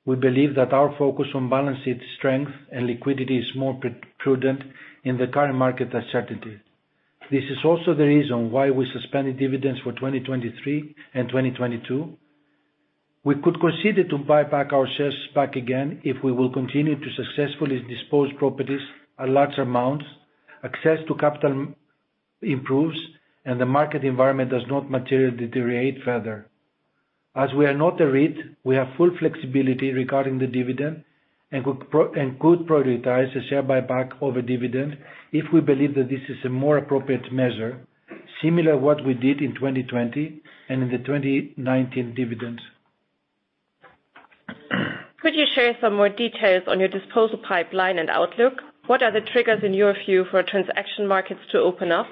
Speaker 3: we believe that our focus on balancing strength and liquidity is more prudent in the current market uncertainty. This is also the reason why we suspended dividends for 2023 and 2022. We could consider to buy back our shares back again if we will continue to successfully dispose properties at large amounts, access to capital improves, and the market environment does not materially deteriorate further. As we are not a REIT, we have full flexibility regarding the dividend, and could prioritize a share buyback over dividend if we believe that this is a more appropriate measure, similar to what we did in 2020 and in the 2019 dividends.
Speaker 1: Could you share some more details on your disposal pipeline and outlook? What are the triggers, in your view, for transaction markets to open up?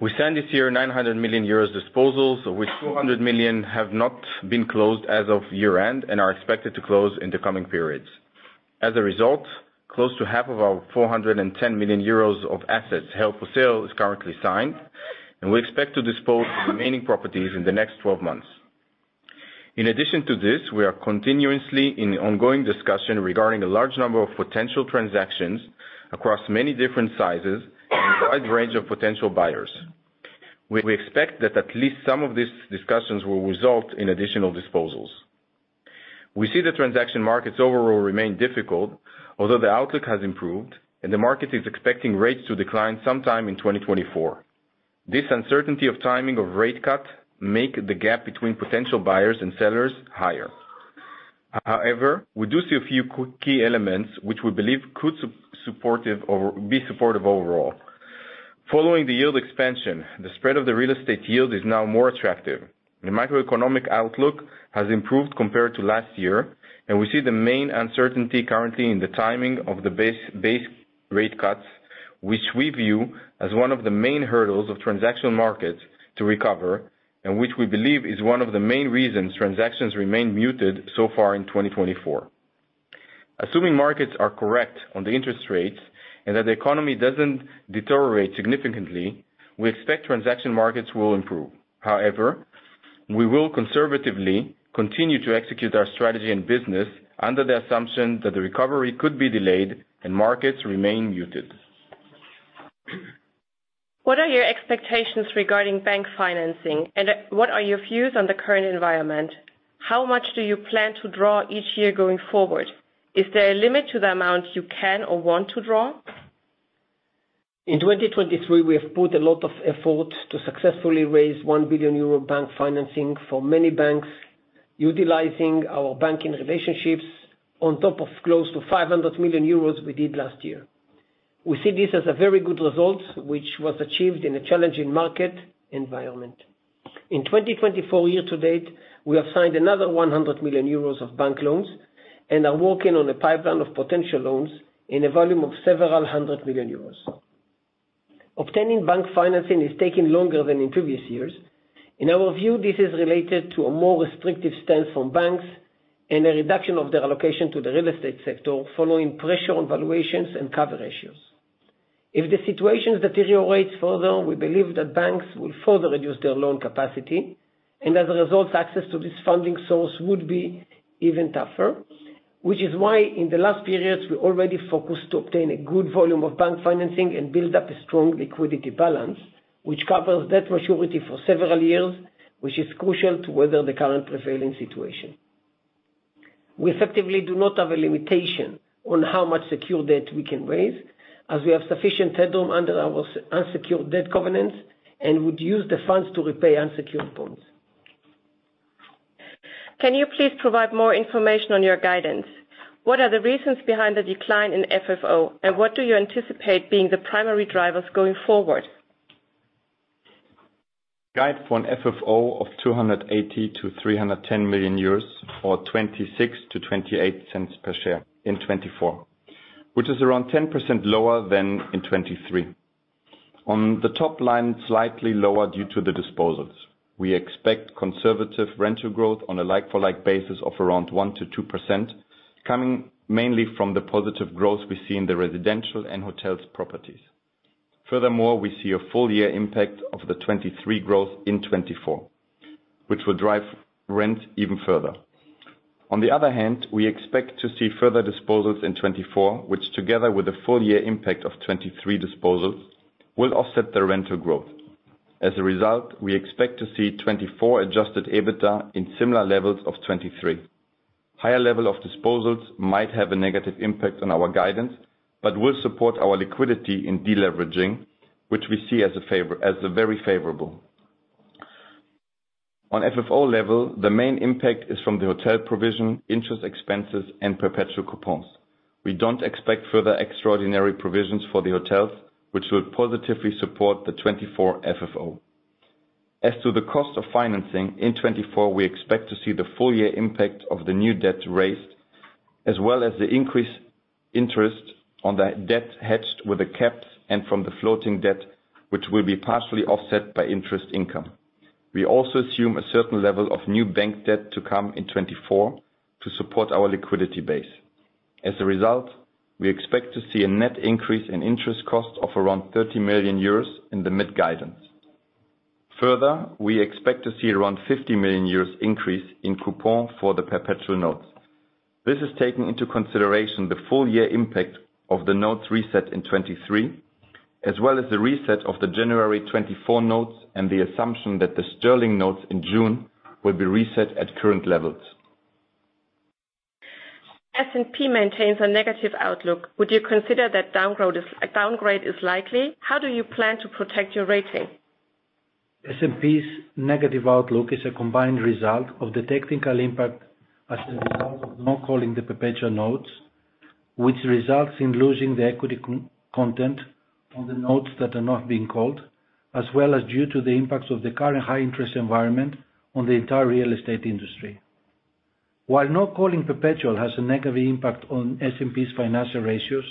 Speaker 4: We signed this year 900 million euros disposals, of which 200 million have not been closed as of year-end and are expected to close in the coming periods. As a result, close to half of our 410 million euros of assets held for sale is currently signed, and we expect to dispose the remaining properties in the next 12 months. In addition to this, we are continuously in ongoing discussion regarding a large number of potential transactions across many different sizes and a wide range of potential buyers. We expect that at least some of these discussions will result in additional disposals. We see the transaction markets overall remain difficult, although the outlook has improved, and the market is expecting rates to decline sometime in 2024. This uncertainty of timing of rate cut make the gap between potential buyers and sellers higher. However, we do see a few key elements which we believe could be supportive or be supportive overall. Following the yield expansion, the spread of the real estate yield is now more attractive. The macroeconomic outlook has improved compared to last year, and we see the main uncertainty currently in the timing of the base rate cuts, which we view as one of the main hurdles of transaction markets to recover, and which we believe is one of the main reasons transactions remain muted so far in 2024. Assuming markets are correct on the interest rates and that the economy doesn't deteriorate significantly, we expect transaction markets will improve. However, we will conservatively continue to execute our strategy and business under the assumption that the recovery could be delayed and markets remain muted.
Speaker 1: What are your expectations regarding bank financing, and what are your views on the current environment? How much do you plan to draw each year going forward? Is there a limit to the amount you can or want to draw?
Speaker 5: In 2023, we have put a lot of effort to successfully raise 1 billion euro bank financing for many banks, utilizing our banking relationships on top of close to 500 million euros we did last year. We see this as a very good result, which was achieved in a challenging market environment. In 2024 year to date, we have signed another 100 million euros of bank loans and are working on a pipeline of potential loans in a volume of several hundred million EUR. Obtaining bank financing is taking longer than in previous years. In our view, this is related to a more restrictive stance from banks and a reduction of their allocation to the real estate sector, following pressure on valuations and cover ratios. If the situation deteriorates further, we believe that banks will further reduce their loan capacity, and as a result, access to this funding source would be even tougher. Which is why, in the last periods, we already focused to obtain a good volume of bank financing and build up a strong liquidity balance, which covers debt maturity for several years, which is crucial to weather the current prevailing situation. We effectively do not have a limitation on how much secured debt we can raise, as we have sufficient headroom under our secured-unsecured debt covenants and would use the funds to repay unsecured loans.
Speaker 1: Can you please provide more information on your guidance? What are the reasons behind the decline in FFO, and what do you anticipate being the primary drivers going forward?
Speaker 4: Guide for an FFO of 280 million-310 million euros, or 0.26-0.28 per share in 2024, which is around 10% lower than in 2023. On the top line, slightly lower due to the disposals. We expect conservative rental growth on a like-for-like basis of around 1%-2%, coming mainly from the positive growth we see in the residential and hotel properties. Furthermore, we see a full year impact of the 2023 growth in 2024, which will drive rent even further. On the other hand, we expect to see further disposals in 2024, which, together with the full year impact of 2023 disposals, will offset the rental growth. As a result, we expect to see 2024 adjusted EBITDA in similar levels of 2023. Higher level of disposals might have a negative impact on our guidance, but will support our liquidity in deleveraging, which we see as a very favorable. On FFO level, the main impact is from the hotel provision, interest expenses, and perpetual coupons. We don't expect further extraordinary provisions for the hotels, which will positively support the 2024 FFO. As to the cost of financing, in 2024, we expect to see the full year impact of the new debt raised, as well as the increased interest on the debt hedged with the caps and from the floating debt, which will be partially offset by interest income. We also assume a certain level of new bank debt to come in 2024 to support our liquidity base. As a result, we expect to see a net increase in interest cost of around 30 million euros in the mid-guidance. Further, we expect to see around 50 million euros increase in coupon for the Perpetual Notes. This is taking into consideration the full-year impact of the notes reset in 2023, as well as the reset of the January 2024 notes, and the assumption that the Sterling notes in June will be reset at current levels.
Speaker 1: S&P maintains a negative outlook. Would you consider that a downgrade is likely? How do you plan to protect your rating?
Speaker 5: S&P's negative outlook is a combined result of the technical impact as a result of not calling the Perpetual Notes, which results in losing the equity content on the notes that are not being called, as well as due to the impacts of the current high interest environment on the entire real estate industry. While not calling Perpetual Notes has a negative impact on S&P's financial ratios,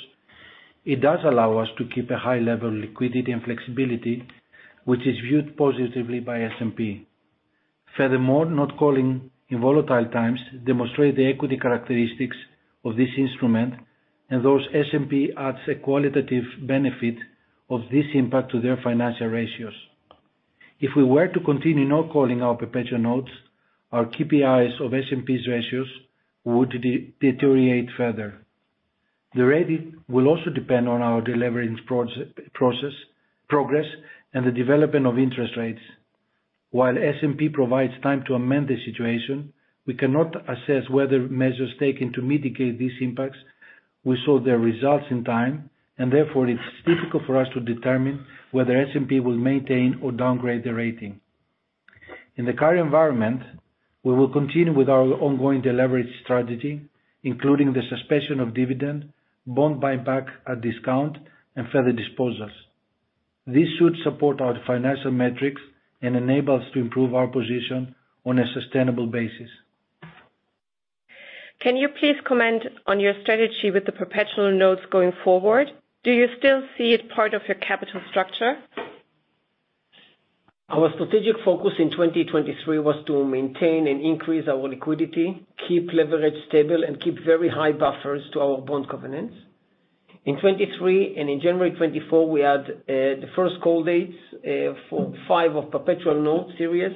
Speaker 5: it does allow us to keep a high level of liquidity and flexibility, which is viewed positively by S&P. Furthermore, not calling in volatile times demonstrate the equity characteristics of this instrument, and thus S&P adds a qualitative benefit of this impact to their financial ratios. If we were to continue not calling our Perpetual Notes, our KPIs of S&P's ratios would deteriorate further. The rating will also depend on our delivering process, progress, and the development of interest rates. While S&P provides time to amend the situation, we cannot assess whether measures taken to mitigate these impacts will show their results in time, and therefore, it's difficult for us to determine whether S&P will maintain or downgrade the rating. In the current environment, we will continue with our ongoing leverage strategy, including the suspension of dividend, bond buyback at discount, and further disposals. This should support our financial metrics and enable us to improve our position on a sustainable basis.
Speaker 1: Can you please comment on your strategy with the perpetual notes going forward? Do you still see it part of your capital structure?
Speaker 5: Our strategic focus in 2023 was to maintain and increase our liquidity, keep leverage stable, and keep very high buffers to our bond covenants. In 2023 and in January 2024, we had the first call dates for five of perpetual notes series,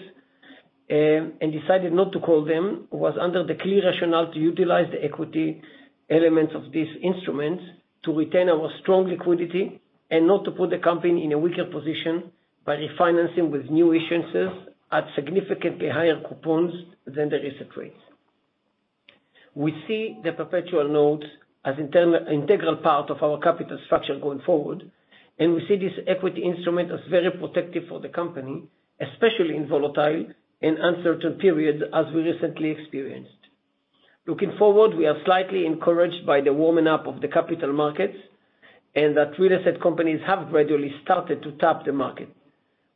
Speaker 5: and decided not to call them. It was under the clear rationale to utilize the equity elements of these instruments to retain our strong liquidity and not to put the company in a weaker position by refinancing with new issuances at significantly higher coupons than the recent rates. We see the perpetual notes as an integral part of our capital structure going forward, and we see this equity instrument as very protective for the company, especially in volatile and uncertain periods, as we recently experienced. Looking forward, we are slightly encouraged by the warming up of the capital markets and that real estate companies have gradually started to tap the market.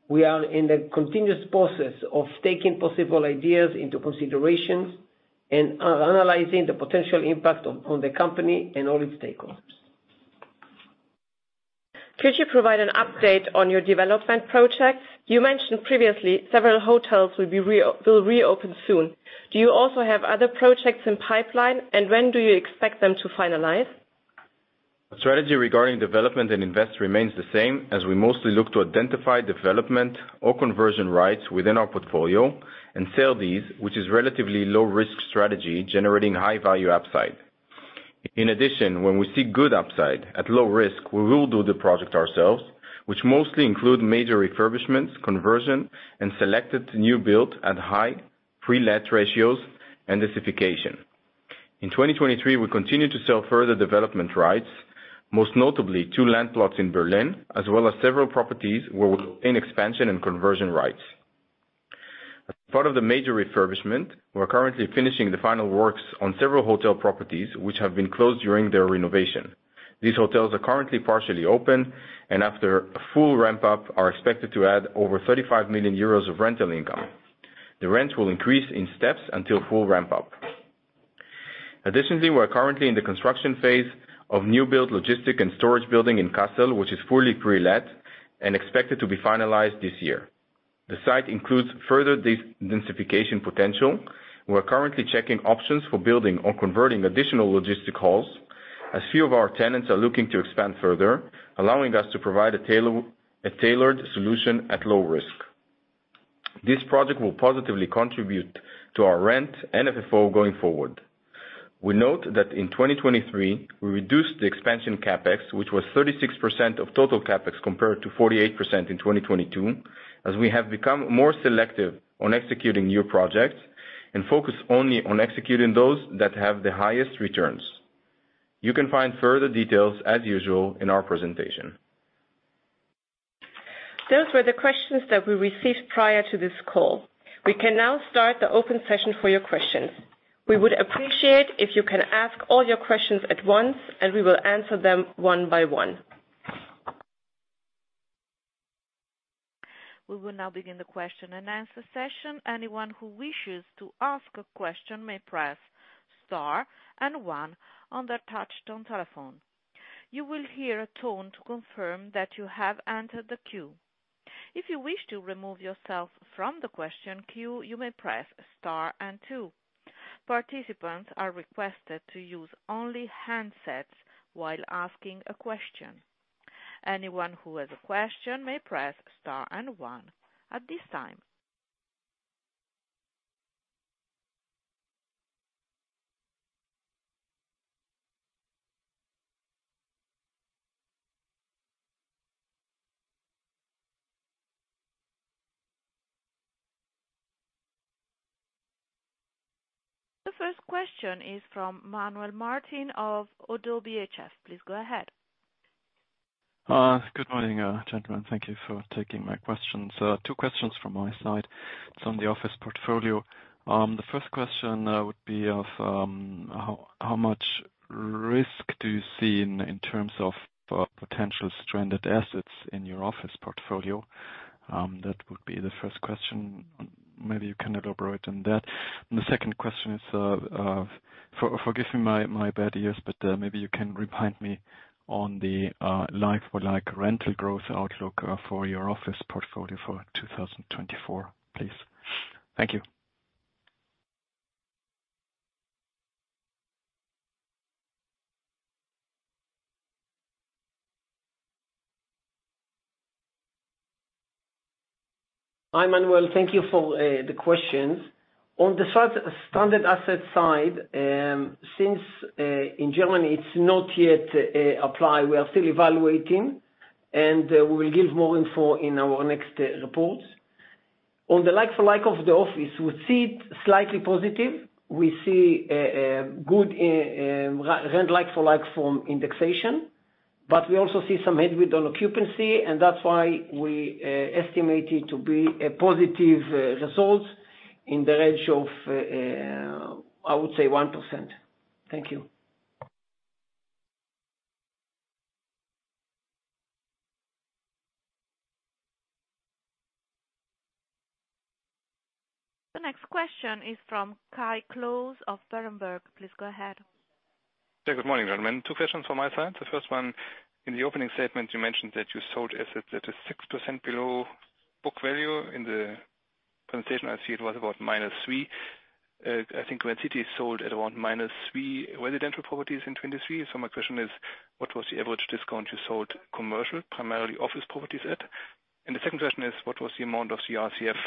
Speaker 5: We are in the continuous process of taking possible ideas into consideration and analyzing the potential impact on, on the company and all its stakeholders.
Speaker 1: Could you provide an update on your development projects? You mentioned previously several hotels will reopen soon. Do you also have other projects in pipeline, and when do you expect them to finalize?
Speaker 2: Our strategy regarding development and investment remains the same, as we mostly look to identify development or conversion rights within our portfolio and sell these, which is a relatively low-risk strategy, generating high-value upside. In addition, when we see good upside at low risk, we will do the project ourselves, which mostly includes major refurbishments, conversion, and selected new build at high pre-let ratios and densification. In 2023, we continued to sell further development rights, most notably two land plots in Berlin, as well as several properties where we obtained expansion and conversion rights. As part of the major refurbishment, we're currently finishing the final works on several hotel properties, which have been closed during their renovation. These hotels are currently partially open, and after a full ramp-up, are expected to add over 35 million euros of rental income. The rent will increase in steps until full ramp-up.
Speaker 4: Additionally, we're currently in the construction phase of new build logistics and storage building in Kassel, which is fully pre-let and expected to be finalized this year. The site includes further densification potential. We're currently checking options for building or converting additional logistics halls, as few of our tenants are looking to expand further, allowing us to provide a tailored solution at low risk. This project will positively contribute to our rent and FFO going forward. We note that in 2023, we reduced the expansion CapEx, which was 36% of total CapEx, compared to 48% in 2022, as we have become more selective on executing new projects and focus only on executing those that have the highest returns. You can find further details, as usual, in our presentation.
Speaker 1: Those were the questions that we received prior to this call. We can now start the open session for your questions. We would appreciate if you can ask all your questions at once, and we will answer them one by one. We will now begin the question-and-answer session. Anyone who wishes to ask a question may press star and one on their touchtone telephone. You will hear a tone to confirm that you have entered the queue. If you wish to remove yourself from the question queue, you may press star and two. Participants are requested to use only handsets while asking a question. Anyone who has a question may press star and one at this time. The first question is from Manuel Martin of ODDO BHF. Please go ahead.
Speaker 6: Good morning, gentlemen. Thank you for taking my questions. Two questions from my side. It's on the office portfolio. The first question would be of how much risk do you see in terms of potential stranded assets in your office portfolio? That would be the first question. Maybe you can elaborate on that. The second question is, forgive me, my bad ears, but maybe you can remind me on the like-for-like rental growth outlook for your office portfolio for 2024, please. Thank you.
Speaker 5: Hi, Manuel, thank you for the questions. On the side, stranded asset side, since in Germany, it's not yet apply, we are still evaluating, and we will give more info in our next reports. On the like-for-like of the office, we see it slightly positive. We see a good like-for-like from indexation, but we also see some headwind on occupancy, and that's why we estimate it to be a positive result in the range of, I would say 1%. Thank you.
Speaker 1: The next question is from Kai Klose of Berenberg. Please go ahead.
Speaker 7: Yeah, good morning, gentlemen. Two questions from my side. The first one, in the opening statement, you mentioned that you sold assets at 6% below book value. In the presentation, I see it was about -3%. I think Grand City sold at around -3% residential properties in 2023. So my question is: what was the average discount you sold commercial, primarily office properties at? And the second question is: what was the amount of the RCF,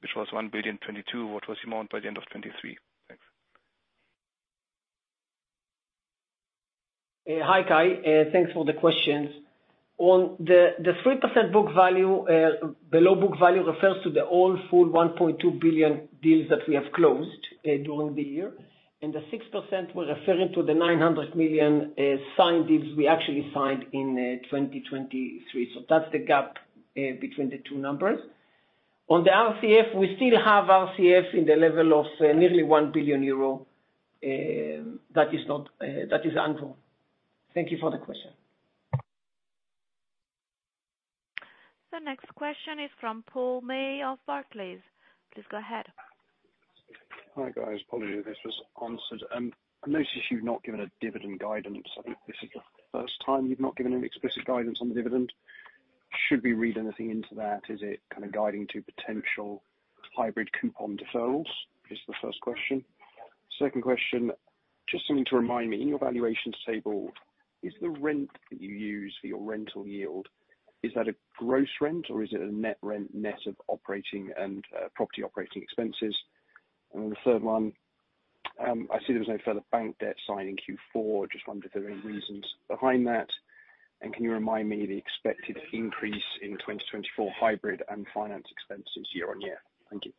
Speaker 7: which was 1.022 billion, what was the amount by the end of 2023? Thanks.
Speaker 5: Hi, Kai, thanks for the question. On the 3% below book value refers to the full 1.2 billion deals that we have closed during the year, and the 6% was referring to the 900 million signed deals we actually signed in 2023. So that's the gap between the two numbers. On the RCF, we still have RCF in the level of nearly 1 billion euro that is undrawn. Thank you for the question.
Speaker 1: The next question is from Paul May of Barclays. Please go ahead.
Speaker 8: Hi, guys. Apologies if this was answered. I noticed you've not given a dividend guidance. I think this is the first time you've not given an explicit guidance on the dividend. Should we read anything into that? Is it kind of guiding to potential hybrid coupon defaults? This is the first question. Second question, just something to remind me, in your valuations table, is the rent that you use for your rental yield, is that a gross rent or is it a net rent, net of operating and property operating expenses? And then the third one, I see there was no further bank debt signed in Q4. Just wondering if there are any reasons behind that, and can you remind me the expected increase in 2024 hybrid and finance expenses year on year? Thank you.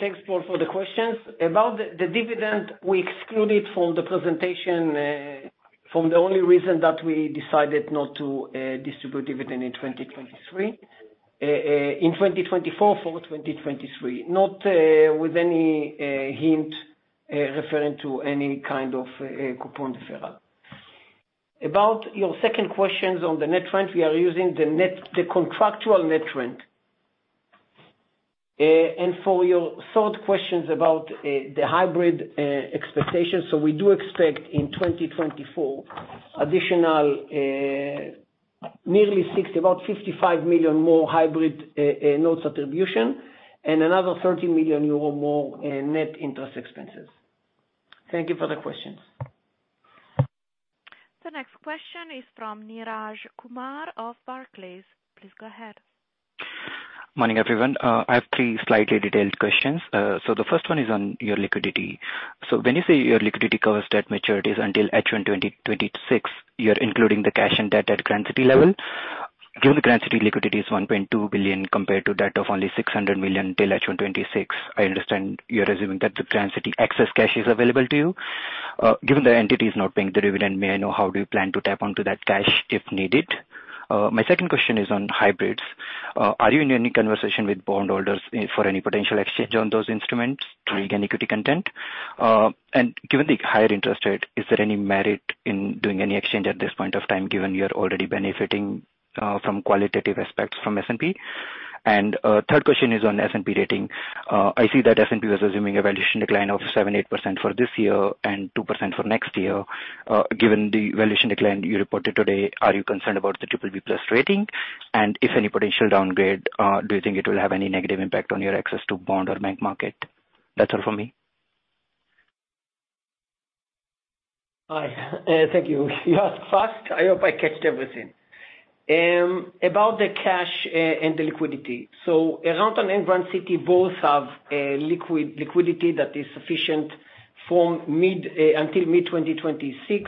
Speaker 5: Thanks, Paul, for the questions. About the dividend, we excluded from the presentation, from the only reason that we decided not to distribute dividend in 2023, in 2024 for 2023, not with any hint referring to any kind of coupon deferral. About your second questions on the net rent, we are using the contractual net rent. And for your third questions about the hybrid expectations, so we do expect in 2024, additional nearly 60, about 55 million more hybrid notes attribution, and another 30 million euro more in net interest expenses. Thank you for the questions.
Speaker 1: The next question is from Neeraj Kumar of Barclays. Please go ahead.
Speaker 9: Morning, everyone. I have three slightly detailed questions. So the first one is on your liquidity. So when you say your liquidity covers debt maturities until H1 2026, you're including the cash and debt at Grand City level? Given the Grand City liquidity is 1.2 billion compared to that of only 600 million till H1 2026, I understand you're assuming that the Grand City excess cash is available to you. Given the entity is not paying the dividend, may I know how do you plan to tap onto that cash, if needed? My second question is on hybrids. Are you in any conversation with bondholders, for any potential exchange on those instruments to gain equity content? And given the higher interest rate, is there any merit in doing any exchange at this point of time, given you are already benefiting from qualitative aspects from S&P? And third question is on S&P rating. I see that S&P was assuming a valuation decline of 7%-8% for this year and 2% for next year. Given the valuation decline you reported today, are you concerned about the triple B plus rating? And if any potential downgrade, do you think it will have any negative impact on your access to bond or bank market? That's all for me.
Speaker 5: Hi, thank you. You asked fast. I hope I caught everything. About the cash and the liquidity. So Aroundtown and Grand City both have liquidity that is sufficient from mid until mid-2026.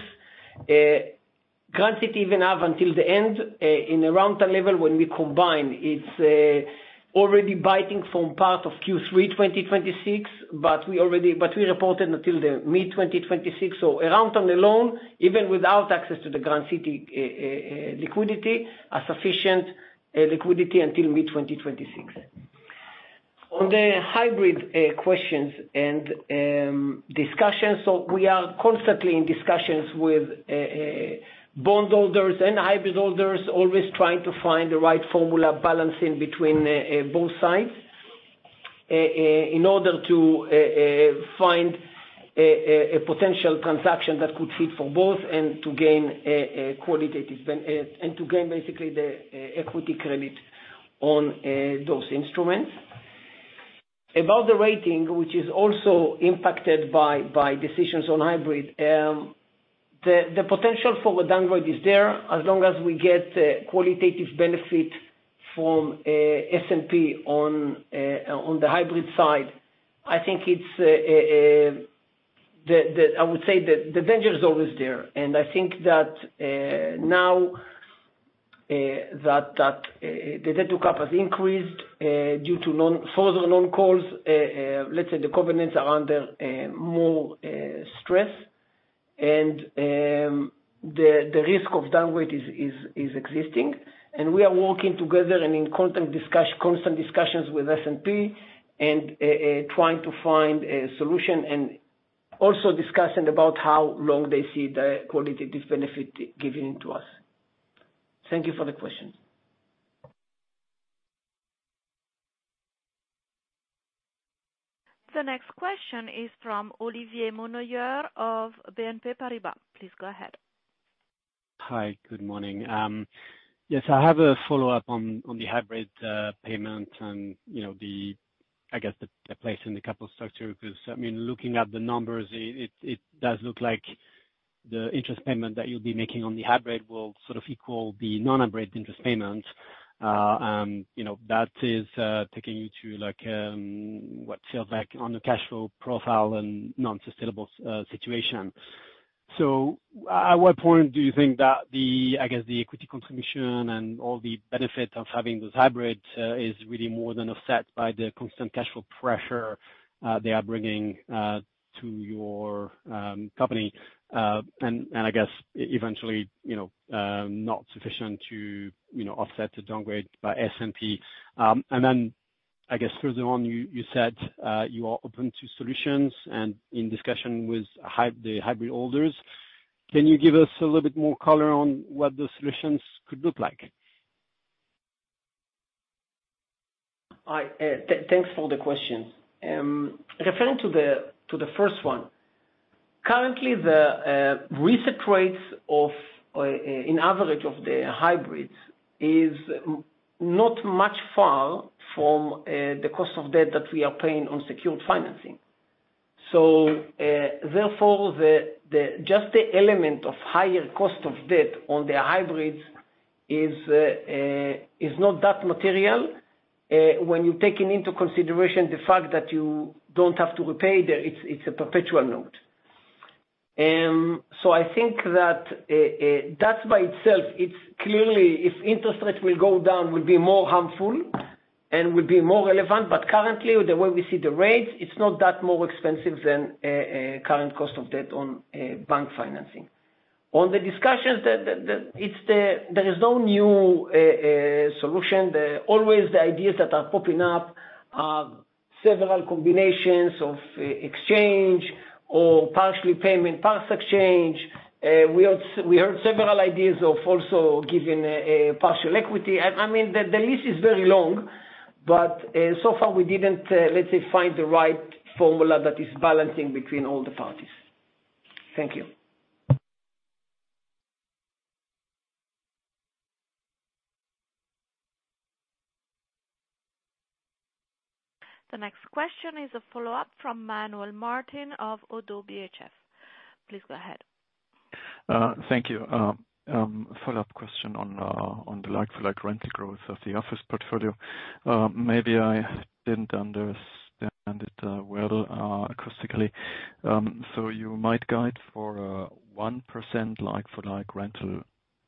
Speaker 5: Grand City even have until the end in around the level when we combine, it's already biting from part of Q3 2026, but we reported until the mid-2026. So Aroundtown alone, even without access to the Grand City liquidity, has sufficient liquidity until mid-2026. On the hybrid questions and discussions, so we are constantly in discussions with bondholders and hybrid holders, always trying to find the right formula balancing between both sides in order to find a potential transaction that could fit for both and to gain a qualitative and to gain basically the equity credit on those instruments. About the rating, which is also impacted by decisions on hybrid. The potential for a downgrade is there, as long as we get qualitative benefit from S&P on the hybrid side. I think it's the danger is always there, and I think that now the debt to capital increased due to no further non-calls, let's say the covenants are under more stress. And the risk of downgrade is existing, and we are working together and in constant discussions with S&P and trying to find a solution, and also discussing about how long they see the qualitative benefit given to us. Thank you for the question.
Speaker 1: The next question is from Olivier Monnoyeur of BNP Paribas. Please go ahead.
Speaker 10: Hi, good morning. Yes, I have a follow-up on the hybrid payment and, you know, the, I guess, the place in the capital structure. Because, I mean, looking at the numbers, it does look like the interest payment that you'll be making on the hybrid will sort of equal the non-hybrid interest payment. You know, that is taking you to, like, what feels like on the cash flow profile and non-sustainable situation. So at what point do you think that the, I guess, the equity contribution and all the benefits of having this hybrid is really more than offset by the constant cash flow pressure they are bringing to your company? And I guess eventually, you know, not sufficient to, you know, offset the downgrade by S&P. And then, I guess further on, you said you are open to solutions and in discussion with the hybrid holders. Can you give us a little bit more color on what the solutions could look like?
Speaker 5: Hi, thanks for the question. Referring to the first one, currently the reset rates in average of the hybrids is not much far from the cost of debt that we are paying on secured financing. So, therefore, just the element of higher cost of debt on the hybrids is not that material when you're taking into consideration the fact that you don't have to repay the... It's a perpetual note. So I think that that by itself, it's clearly, if interest rates will go down, will be more harmful and will be more relevant. But currently, the way we see the rates, it's not that more expensive than current cost of debt on bank financing. On the discussions that there is no new solution. Always the ideas that are popping up are several combinations of exchange or partial payment, part exchange. We also heard several ideas of also giving a partial equity. I mean, the list is very long, but so far we didn't, let's say, find the right formula that is balancing between all the parties. Thank you.
Speaker 1: The next question is a follow-up from Manuel Martin of ODDO BHF. Please go ahead.
Speaker 6: Thank you. A follow-up question on the like-for-like rental growth of the office portfolio. Maybe I didn't understand it well acoustically. So you might guide for 1% like-for-like rental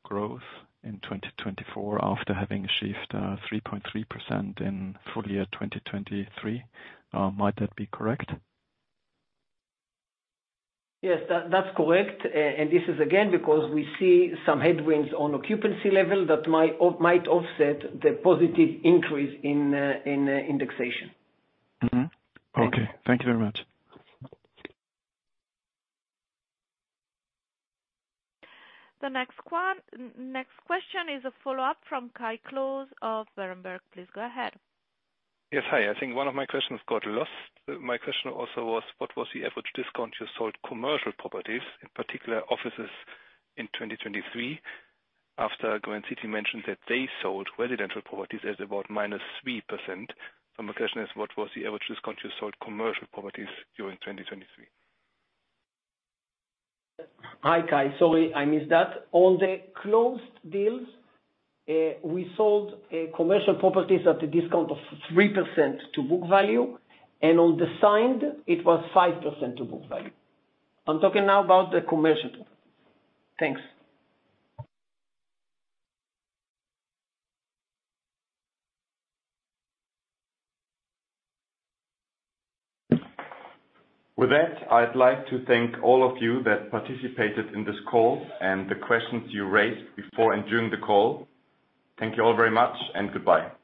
Speaker 6: growth in 2024, after having achieved 3.3% in full year 2023. Might that be correct?
Speaker 5: Yes, that's correct. And this is again, because we see some headwinds on occupancy level that might offset the positive increase in indexation.
Speaker 6: Mm-hmm.
Speaker 5: Okay.
Speaker 6: Thank you very much.
Speaker 1: The next one, next question is a follow-up from Kai Klose of Berenberg. Please go ahead.
Speaker 7: Yes. Hi, I think one of my questions got lost. My question also was, what was the average discount you sold commercial properties, in particular offices, in 2023, after Grand City mentioned that they sold residential properties at about -3%? So my question is, what was the average discount you sold commercial properties during 2023?
Speaker 5: Hi, Kai. Sorry, I missed that. On the closed deals, we sold commercial properties at a discount of 3% to book value, and on the signed, it was 5% to book value. I'm talking now about the commercial. Thanks.
Speaker 4: With that, I'd like to thank all of you that participated in this call and the questions you raised before and during the call. Thank you all very much, and goodbye.